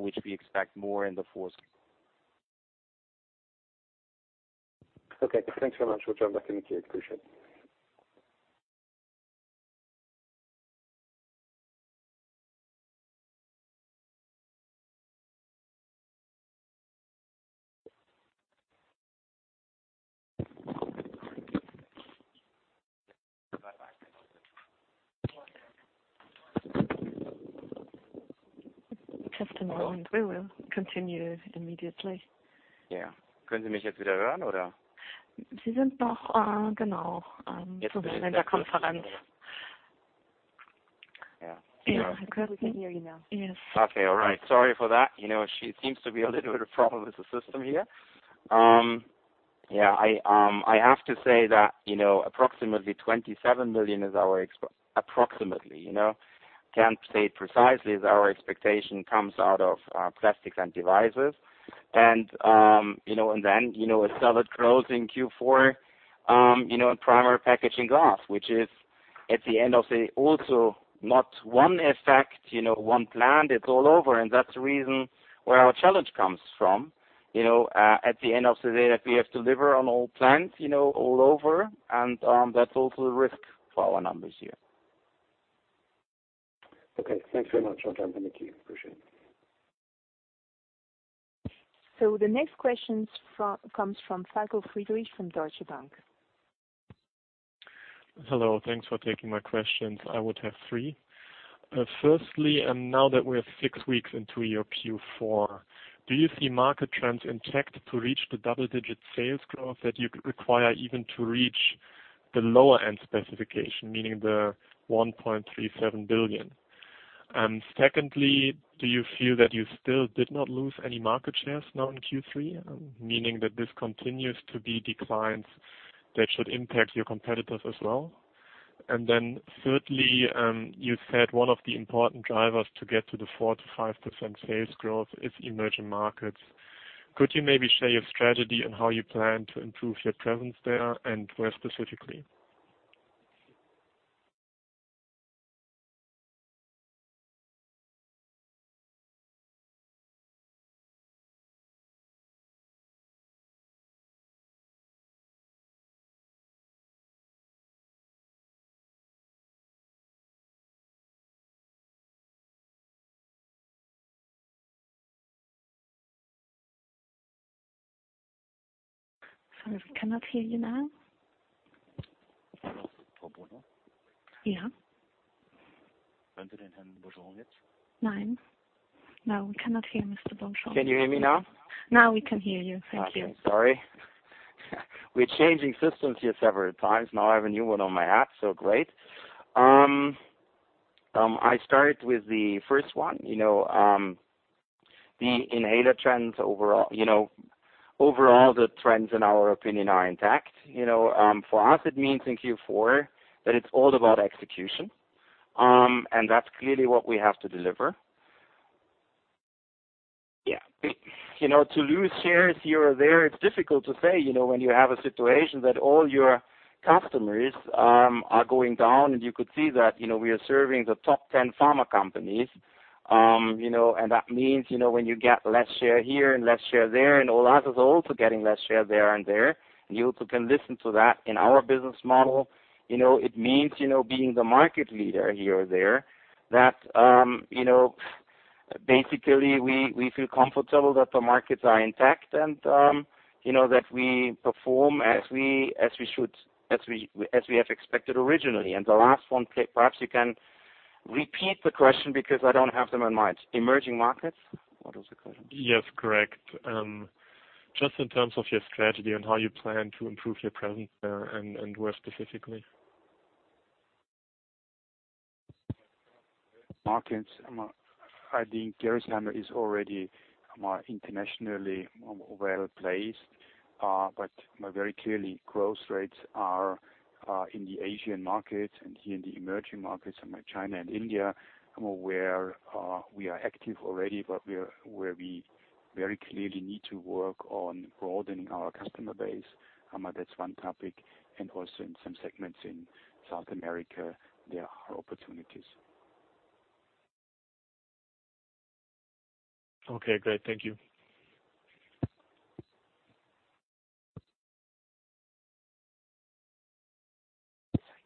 which we expect more in the fourth. Okay. Thanks very much. We'll jump back in the queue. Appreciate it. Just a moment. We will continue immediately. Yeah. Yeah. Yeah. I think we can hear you now. Yes. Okay. All right. Sorry for that. She seems to be a little bit of a problem with the system here. Yeah. I have to say that approximately 27 million is our expectation. Can't say it precisely. It comes out of plastics and devices. A solid growth in Q4, in primary packaging glass, which is at the end of the also not one effect, one plant. It's all over, and that's the reason where our challenge comes from. At the end of the day, that we have to deliver on all plants, all over, and that's also a risk for our numbers here. Okay. Thanks very much. I'll jump in the queue. Appreciate it. The next question comes from Falko Friedrichs from Deutsche Bank. Hello. Thanks for taking my questions. I would have three. Firstly, now that we're six weeks into your Q4, do you see market trends intact to reach the double-digit sales growth that you could require even to reach the lower-end specification, meaning the 1.37 billion? Secondly, do you feel that you still did not lose any market shares now in Q3, meaning that this continues to be declines that should impact your competitors as well? Thirdly, you said one of the important drivers to get to the 4%-5% sales growth is emerging markets. Could you maybe share your strategy on how you plan to improve your presence there, and where specifically? Sorry, we cannot hear you now. Hello. Frau Bruno? Yeah. Can you hear Beaujean now? No. We cannot hear Mr. Beaujean. Can you hear me now? Now we can hear you. Thank you. Okay. Sorry. We're changing systems here several times. Now I have a new one on my hat, so great. I start with the first one. The inhaler trends overall. Overall, the trends in our opinion are intact. For us it means in Q4, that it's all about execution. That's clearly what we have to deliver. Yeah. To lose shares here or there, it's difficult to say when you have a situation that all your customers are going down, you could see that we are serving the top 10 pharma companies. That means, when you get less share here and less share there, all of us is also getting less share there and there, you also can listen to that. In our business model, it means, being the market leader here or there, that basically, we feel comfortable that the markets are intact and that we perform as we have expected originally. The last one, perhaps you can repeat the question because I don't have them in mind. Emerging markets? What was the question? Yes, correct. Just in terms of your strategy and how you plan to improve your presence there, and where specifically. Markets. I think Gerresheimer is already more internationally well-placed. Very clearly growth rates are in the Asian markets and here in the emerging markets, China and India, where we are active already, but where we very clearly need to work on broadening our customer base. That's one topic. Also, in some segments in South America, there are opportunities. Okay, great. Thank you.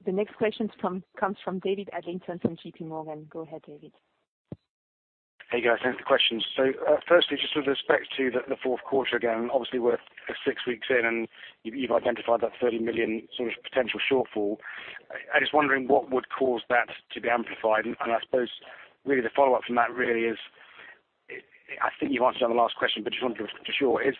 The next question comes from David Adlington from J.P. Morgan. Go ahead, David. Hey, guys. Thanks for the questions. Firstly, just with respect to the fourth quarter, again, obviously we're six weeks in and you've identified that 30 million potential shortfall. I'm just wondering what would cause that to be amplified. I suppose, really the follow-up from that is, I think you answered on the last question, just wanted to be sure. Is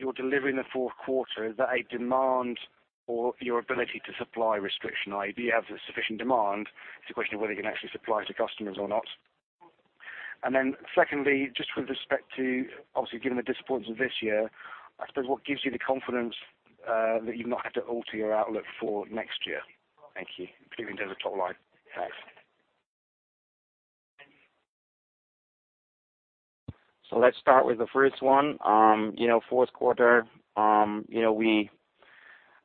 your delivery in the fourth quarter, is that a demand or your ability to supply restriction, i.e. do you have the sufficient demand? It's a question of whether you can actually supply to customers or not. Secondly, just with respect to, obviously given the disappointments of this year, I suppose what gives you the confidence that you've not had to alter your outlook for next year? Thank you. Including the top line. Thanks. Let's start with the first one. Fourth quarter, we've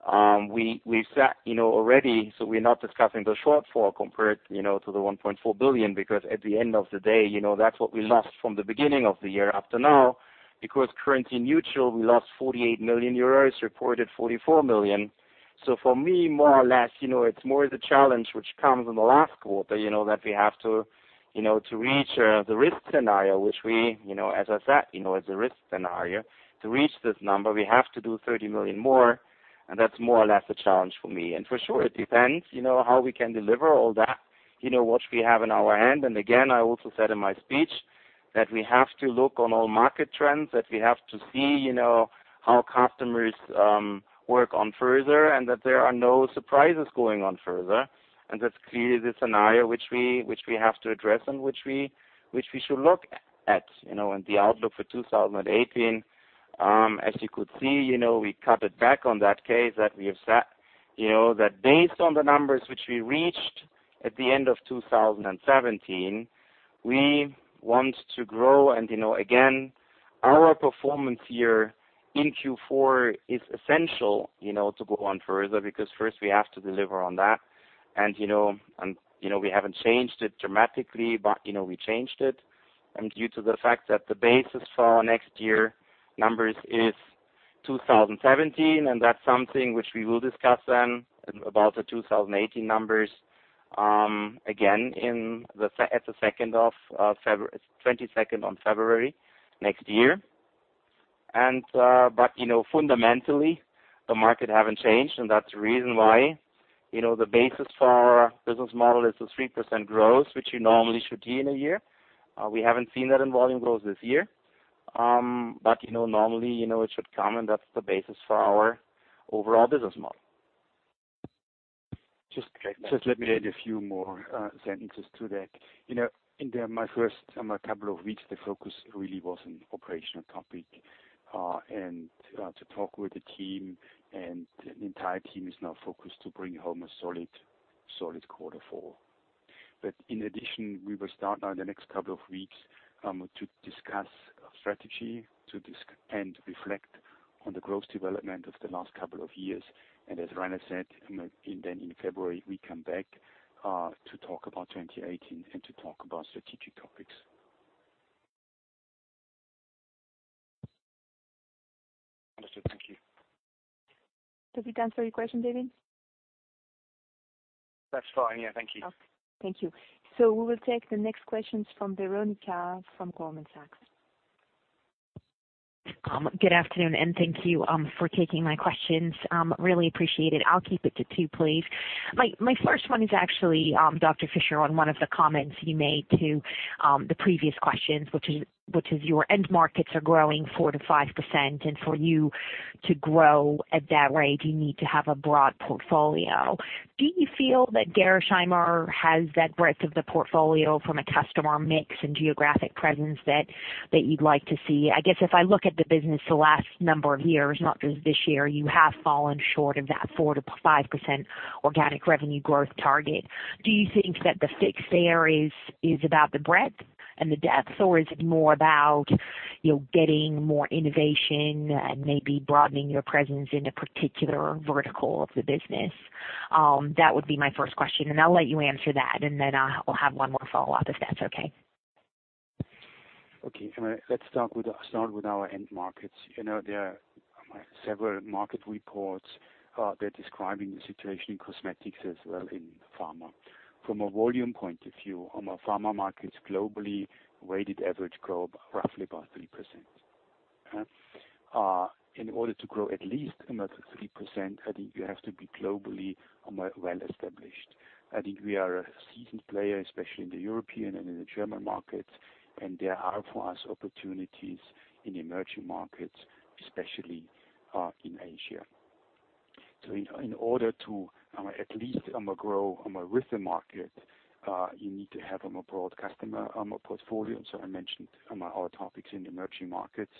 set already, we're not discussing the shortfall compared to the 1.4 billion, because at the end of the day, that's what we lost from the beginning of the year up to now. Currency neutral, we lost 48 million euros, reported 44 million. For me, more or less, it's more the challenge which comes in the last quarter, that we have to reach the risk scenario, which we, as I said, it's a risk scenario. To reach this number, we have to do 30 million more, that's more or less a challenge for me. For sure, it depends how we can deliver all that, what we have in our hand. Again, I also said in my speech that we have to look on all market trends, that we have to see how customers work on further, that there are no surprises going on further. That's clearly the scenario which we have to address and which we should look at. The outlook for 2018, as you could see, we cut it back on that case that we have set That based on the numbers which we reached at the end of 2017, we want to grow. Again, our performance here in Q4 is essential to go on further, first we have to deliver on that. We haven't changed it dramatically, we changed it. Due to the fact that the basis for our next year numbers is 2017, that's something which we will discuss then about the 2018 numbers again on the 22nd of February next year. Fundamentally, the market haven't changed and that's the reason why the basis for our business model is a 3% growth, which you normally should see in a year. We haven't seen that in volume growth this year. Normally, it should come and that's the basis for our overall business model. Just let me add a few more sentences to that. In my first couple of weeks, the focus really was on operational topic and to talk with the team, and the entire team is now focused to bring home a solid quarter four. In addition, we will start now in the next couple of weeks to discuss strategy and reflect on the growth development of the last couple of years. As Rainer said, in February, we come back to talk about 2018 and to talk about strategic topics. Understood. Thank you. Does it answer your question, David? That's fine. Yeah. Thank you. Okay. Thank you. We will take the next questions from Veronika from Goldman Sachs. Good afternoon. Thank you for taking my questions. Really appreciate it. I'll keep it to two, please. My first one is actually, Dr. Fischer, on one of the comments you made to the previous questions, which is your end markets are growing 4%-5%, and for you to grow at that rate, you need to have a broad portfolio. Do you feel that Gerresheimer has that breadth of the portfolio from a customer mix and geographic presence that you'd like to see? I guess if I look at the business the last number of years, not just this year, you have fallen short of that 4%-5% organic revenue growth target. Do you think that the fix there is about the breadth and the depth, or is it more about getting more innovation and maybe broadening your presence in a particular vertical of the business? That would be my first question, and I'll let you answer that, and then I'll have one more follow-up, if that's okay. Okay. Let's start with our end markets. There are several market reports that are describing the situation in cosmetics as well in pharma. From a volume point of view, our pharma markets globally weighted average grow roughly by 3%. In order to grow at least 3%, I think you have to be globally well-established. I think we are a seasoned player, especially in the European and in the German markets, and there are, for us, opportunities in emerging markets, especially in Asia. In order to at least grow with the market, you need to have a broad customer portfolio. I mentioned our topics in emerging markets.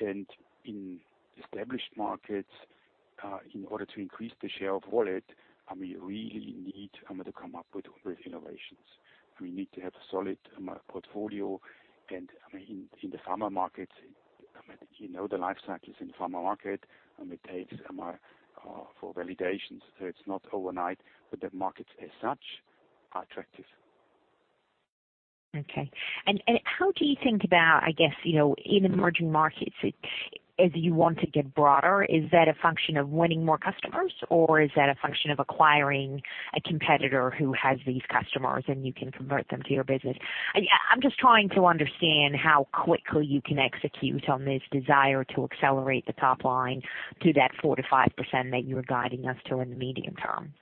In established markets, in order to increase the share of wallet, we really need to come up with innovations. We need to have a solid portfolio. In the pharma markets, you know the life cycles in the pharma market, it takes for validations. It's not overnight, but the markets as such are attractive. Okay. How do you think about, I guess, in emerging markets, as you want to get broader, is that a function of winning more customers, or is that a function of acquiring a competitor who has these customers and you can convert them to your business? I'm just trying to understand how quickly you can execute on this desire to accelerate the top line to that 4%-5% that you are guiding us to in the medium term.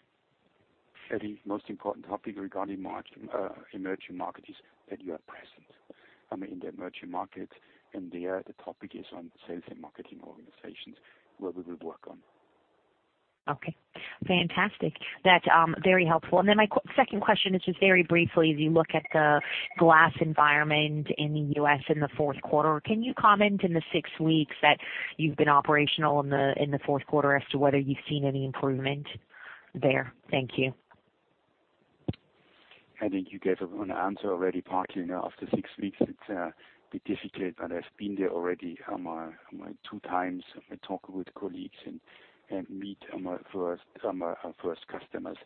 I think most important topic regarding emerging markets is that you are present in the emerging markets, and there, the topic is on sales and marketing organizations, where we will work on. Okay. Fantastic. That's very helpful. My second question is just very briefly, as you look at the glass environment in the U.S. in the fourth quarter, can you comment in the six weeks that you've been operational in the fourth quarter as to whether you've seen any improvement there? Thank you. I think you gave an answer already partly. After six weeks, it's a bit difficult, but I've been there already two times. I talk with colleagues and meet our first customers.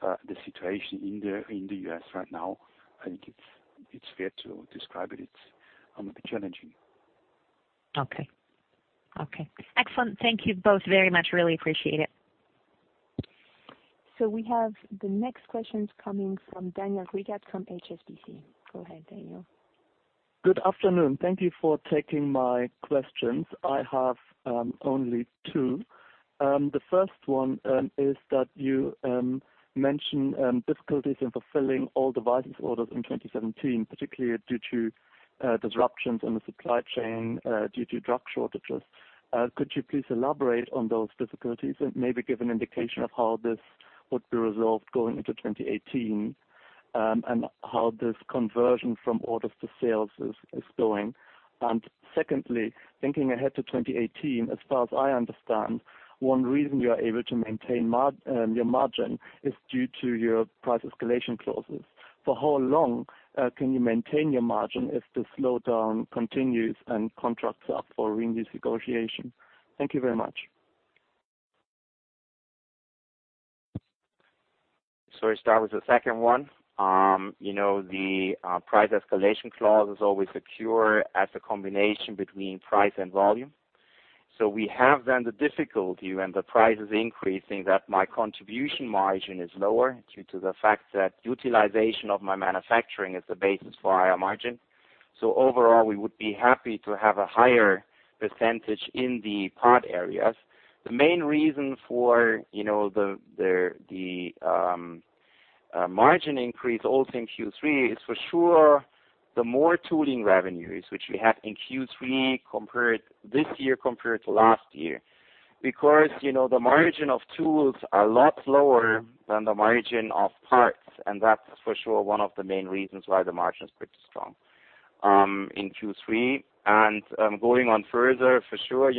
The situation in the U.S. right now, I think it's fair to describe it's challenging. Okay. Excellent. Thank you both very much. Really appreciate it. We have the next questions coming from Daniel Riggott from HSBC. Go ahead, Daniel. Good afternoon. Thank you for taking my questions. I have only two. The first one is that you mentioned difficulties in fulfilling all devices orders in 2017, particularly due to disruptions in the supply chain due to drug shortages. Could you please elaborate on those difficulties and maybe give an indication of how this would be resolved going into 2018? How this conversion from orders to sales is going. Secondly, thinking ahead to 2018, as far as I understand, one reason you are able to maintain your margin is due to your price escalation clauses. For how long can you maintain your margin if the slowdown continues and contracts are up for renewed negotiation? Thank you very much. I start with the second one. The price escalation clause is always secure as a combination between price and volume. We have then the difficulty when the price is increasing, that my contribution margin is lower due to the fact that utilization of my manufacturing is the basis for a higher margin. Overall, we would be happy to have a higher percentage in the part areas. The main reason for the margin increase also in Q3 is for sure the more tooling revenues, which we had in Q3 this year compared to last year, because the margin of tools are a lot lower than the margin of parts, and that's for sure one of the main reasons why the margin is pretty strong in Q3. Going on further, for sure,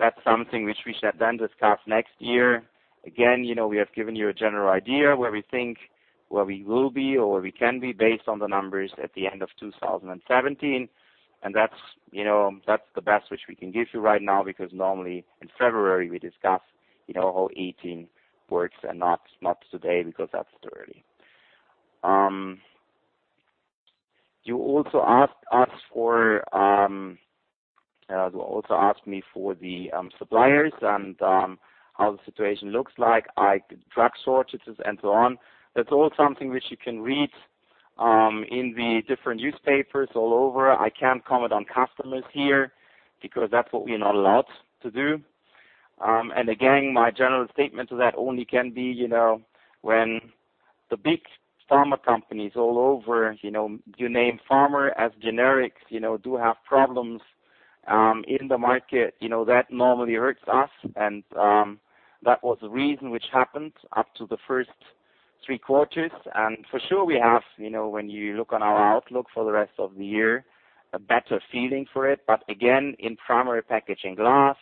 that's something which we shall then discuss next year. We have given you a general idea where we think, where we will be or where we can be based on the numbers at the end of 2017. That's the best which we can give you right now, because normally in February we discuss how 2018 works and not today, because that's too early. You also asked me for the suppliers and how the situation looks like drug shortages and so on. That's all something which you can read in the different newspapers all over. I can't comment on customers here because that's what we're not allowed to do. Again, my general statement to that only can be, when the big pharma companies all over, you name pharma as generics, do have problems in the market, that normally hurts us. That was the reason which happened up to the first three quarters. For sure we have, when you look on our outlook for the rest of the year, a better feeling for it. Again, in primary packaging glass,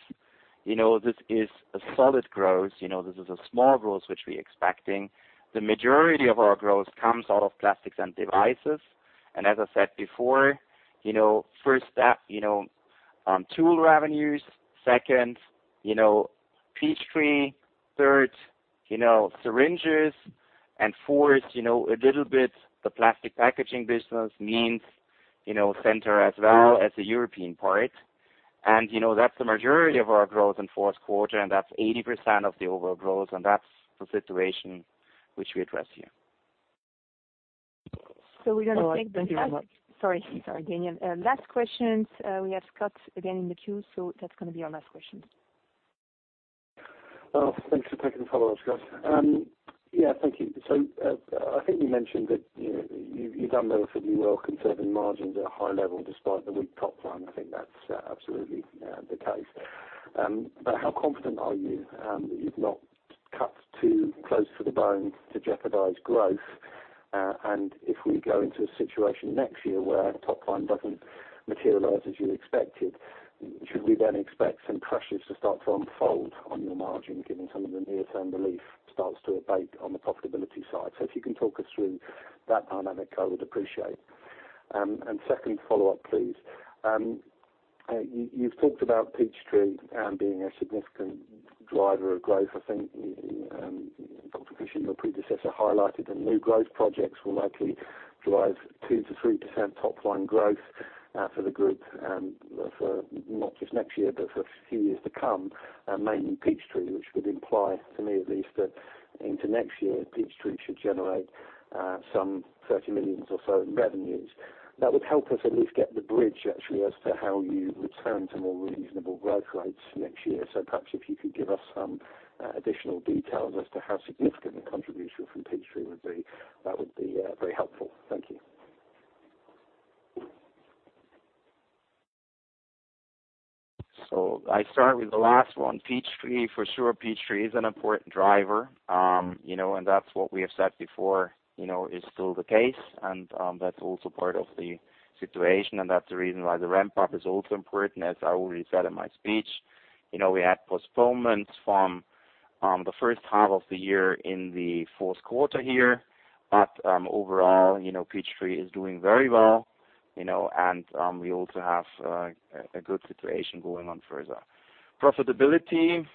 this is a solid growth. This is a small growth which we expecting. The majority of our growth comes out of plastics and devices. As I said before, first step, tool revenues. Second, Peachtree. Third, syringes. Fourth, a little bit the plastic packaging business means Centor as well as the European part. That's the majority of our growth in fourth quarter, that's 80% of the overall growth, that's the situation which we address here. We're going to take the last. All right. Thank you very much. Sorry, Daniel. Last questions. We have Scott again in the queue, so that's going to be our last question. Thanks for taking the follow-up, Scott. Yeah, thank you. I think you mentioned that you've done relatively well conserving margins at a high level despite the weak top line. I think that's absolutely the case. How confident are you that you've not cut too close to the bone to jeopardize growth? If we go into a situation next year where top line doesn't materialize as you expected, should we then expect some pressures to start to unfold on your margin, given some of the near-term relief starts to abate on the profitability side? If you can talk us through that dynamic, I would appreciate. Second follow-up, please. You've talked about Peachtree being a significant driver of growth. I think Dr. Fischer, your predecessor, highlighted that new growth projects will likely drive 2%-3% top-line growth for the group for not just next year, but for a few years to come, mainly Peachtree, which would imply, to me at least, that into next year, Peachtree should generate some 30 million or so in revenues. That would help us at least get the bridge, actually, as to how you return to more reasonable growth rates next year. Perhaps if you could give us some additional details as to how significant the contribution from Peachtree would be, that would be very helpful. Thank you. I start with the last one. For sure, Peachtree is an important driver, and that's what we have said before, is still the case, and that's also part of the situation, and that's the reason why the ramp-up is also important. As I already said in my speech, we had postponements from the first half of the year in the fourth quarter here. Overall, Peachtree is doing very well, and we also have a good situation going on further. Profitability.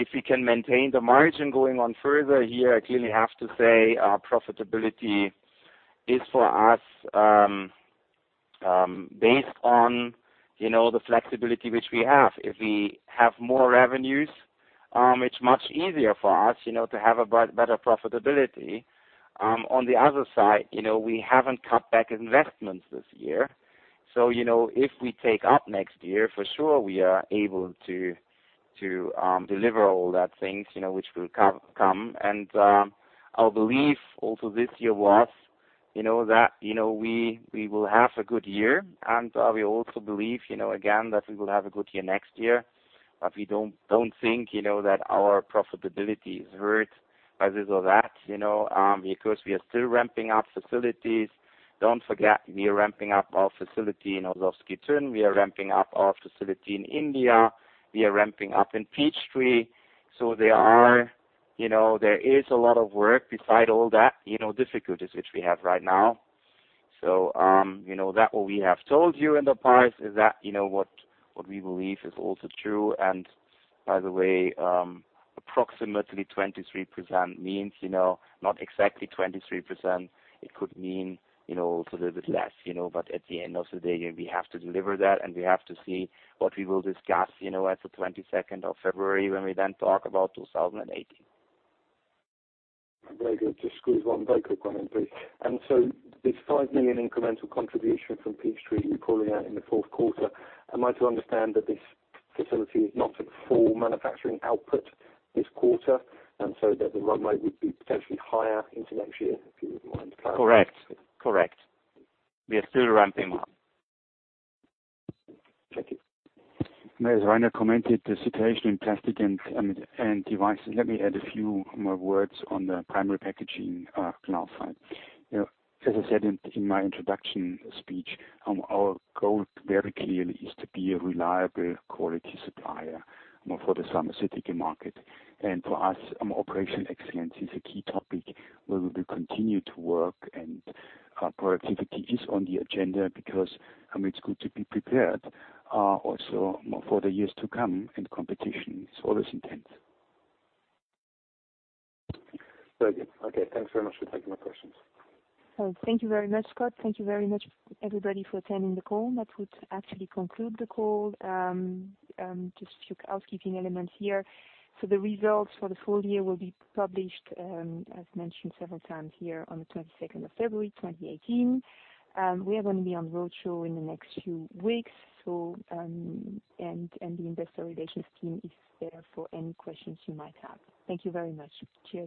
If we can maintain the margin going on further here, I clearly have to say profitability is for us based on the flexibility which we have. If we have more revenues, it's much easier for us to have a better profitability. On the other side, we haven't cut back investments this year. If we take up next year, for sure we are able to deliver all that things which will come. Our belief also this year was that we will have a good year, and we also believe, again, that we will have a good year next year. We don't think that our profitability is hurt by this or that, because we are still ramping up facilities. Don't forget, we are ramping up our facility in Oelsnitz/Zwickau. We are ramping up our facility in India. We are ramping up in Peachtree. There is a lot of work beside all that, difficulties which we have right now. That what we have told you in the past is that, what we believe is also true. By the way, approximately 23% means, not exactly 23%, it could mean a little bit less. At the end of the day, we have to deliver that, and we have to see what we will discuss, at the 22nd of February, when we then talk about 2018. Very good. Just squeeze one very quick one in, please. This 5 million incremental contribution from Peachtree you're calling out in the fourth quarter, am I to understand that this facility is not at full manufacturing output this quarter, and so that the runway would be potentially higher into next year, if you wouldn't mind clarifying? Correct. We are still ramping up. Check it. As Rainer commented, the situation in plastic and devices, let me add a few more words on the primary packaging, glass side. As I said in my introduction speech, our goal very clearly is to be a reliable quality supplier for the pharmaceutical market. For us, operation excellence is a key topic where we will continue to work. Our productivity is on the agenda because it's good to be prepared, also for the years to come. Competition is always intense. Very good. Okay, thanks very much for taking my questions. Thank you very much, Scott. Thank you very much, everybody, for attending the call. That would actually conclude the call. Just a few housekeeping elements here. The results for the full year will be published, as mentioned several times here, on the 22nd of February 2018. We are going to be on road show in the next few weeks, and the investor relations team is there for any questions you might have. Thank you very much. Cheers.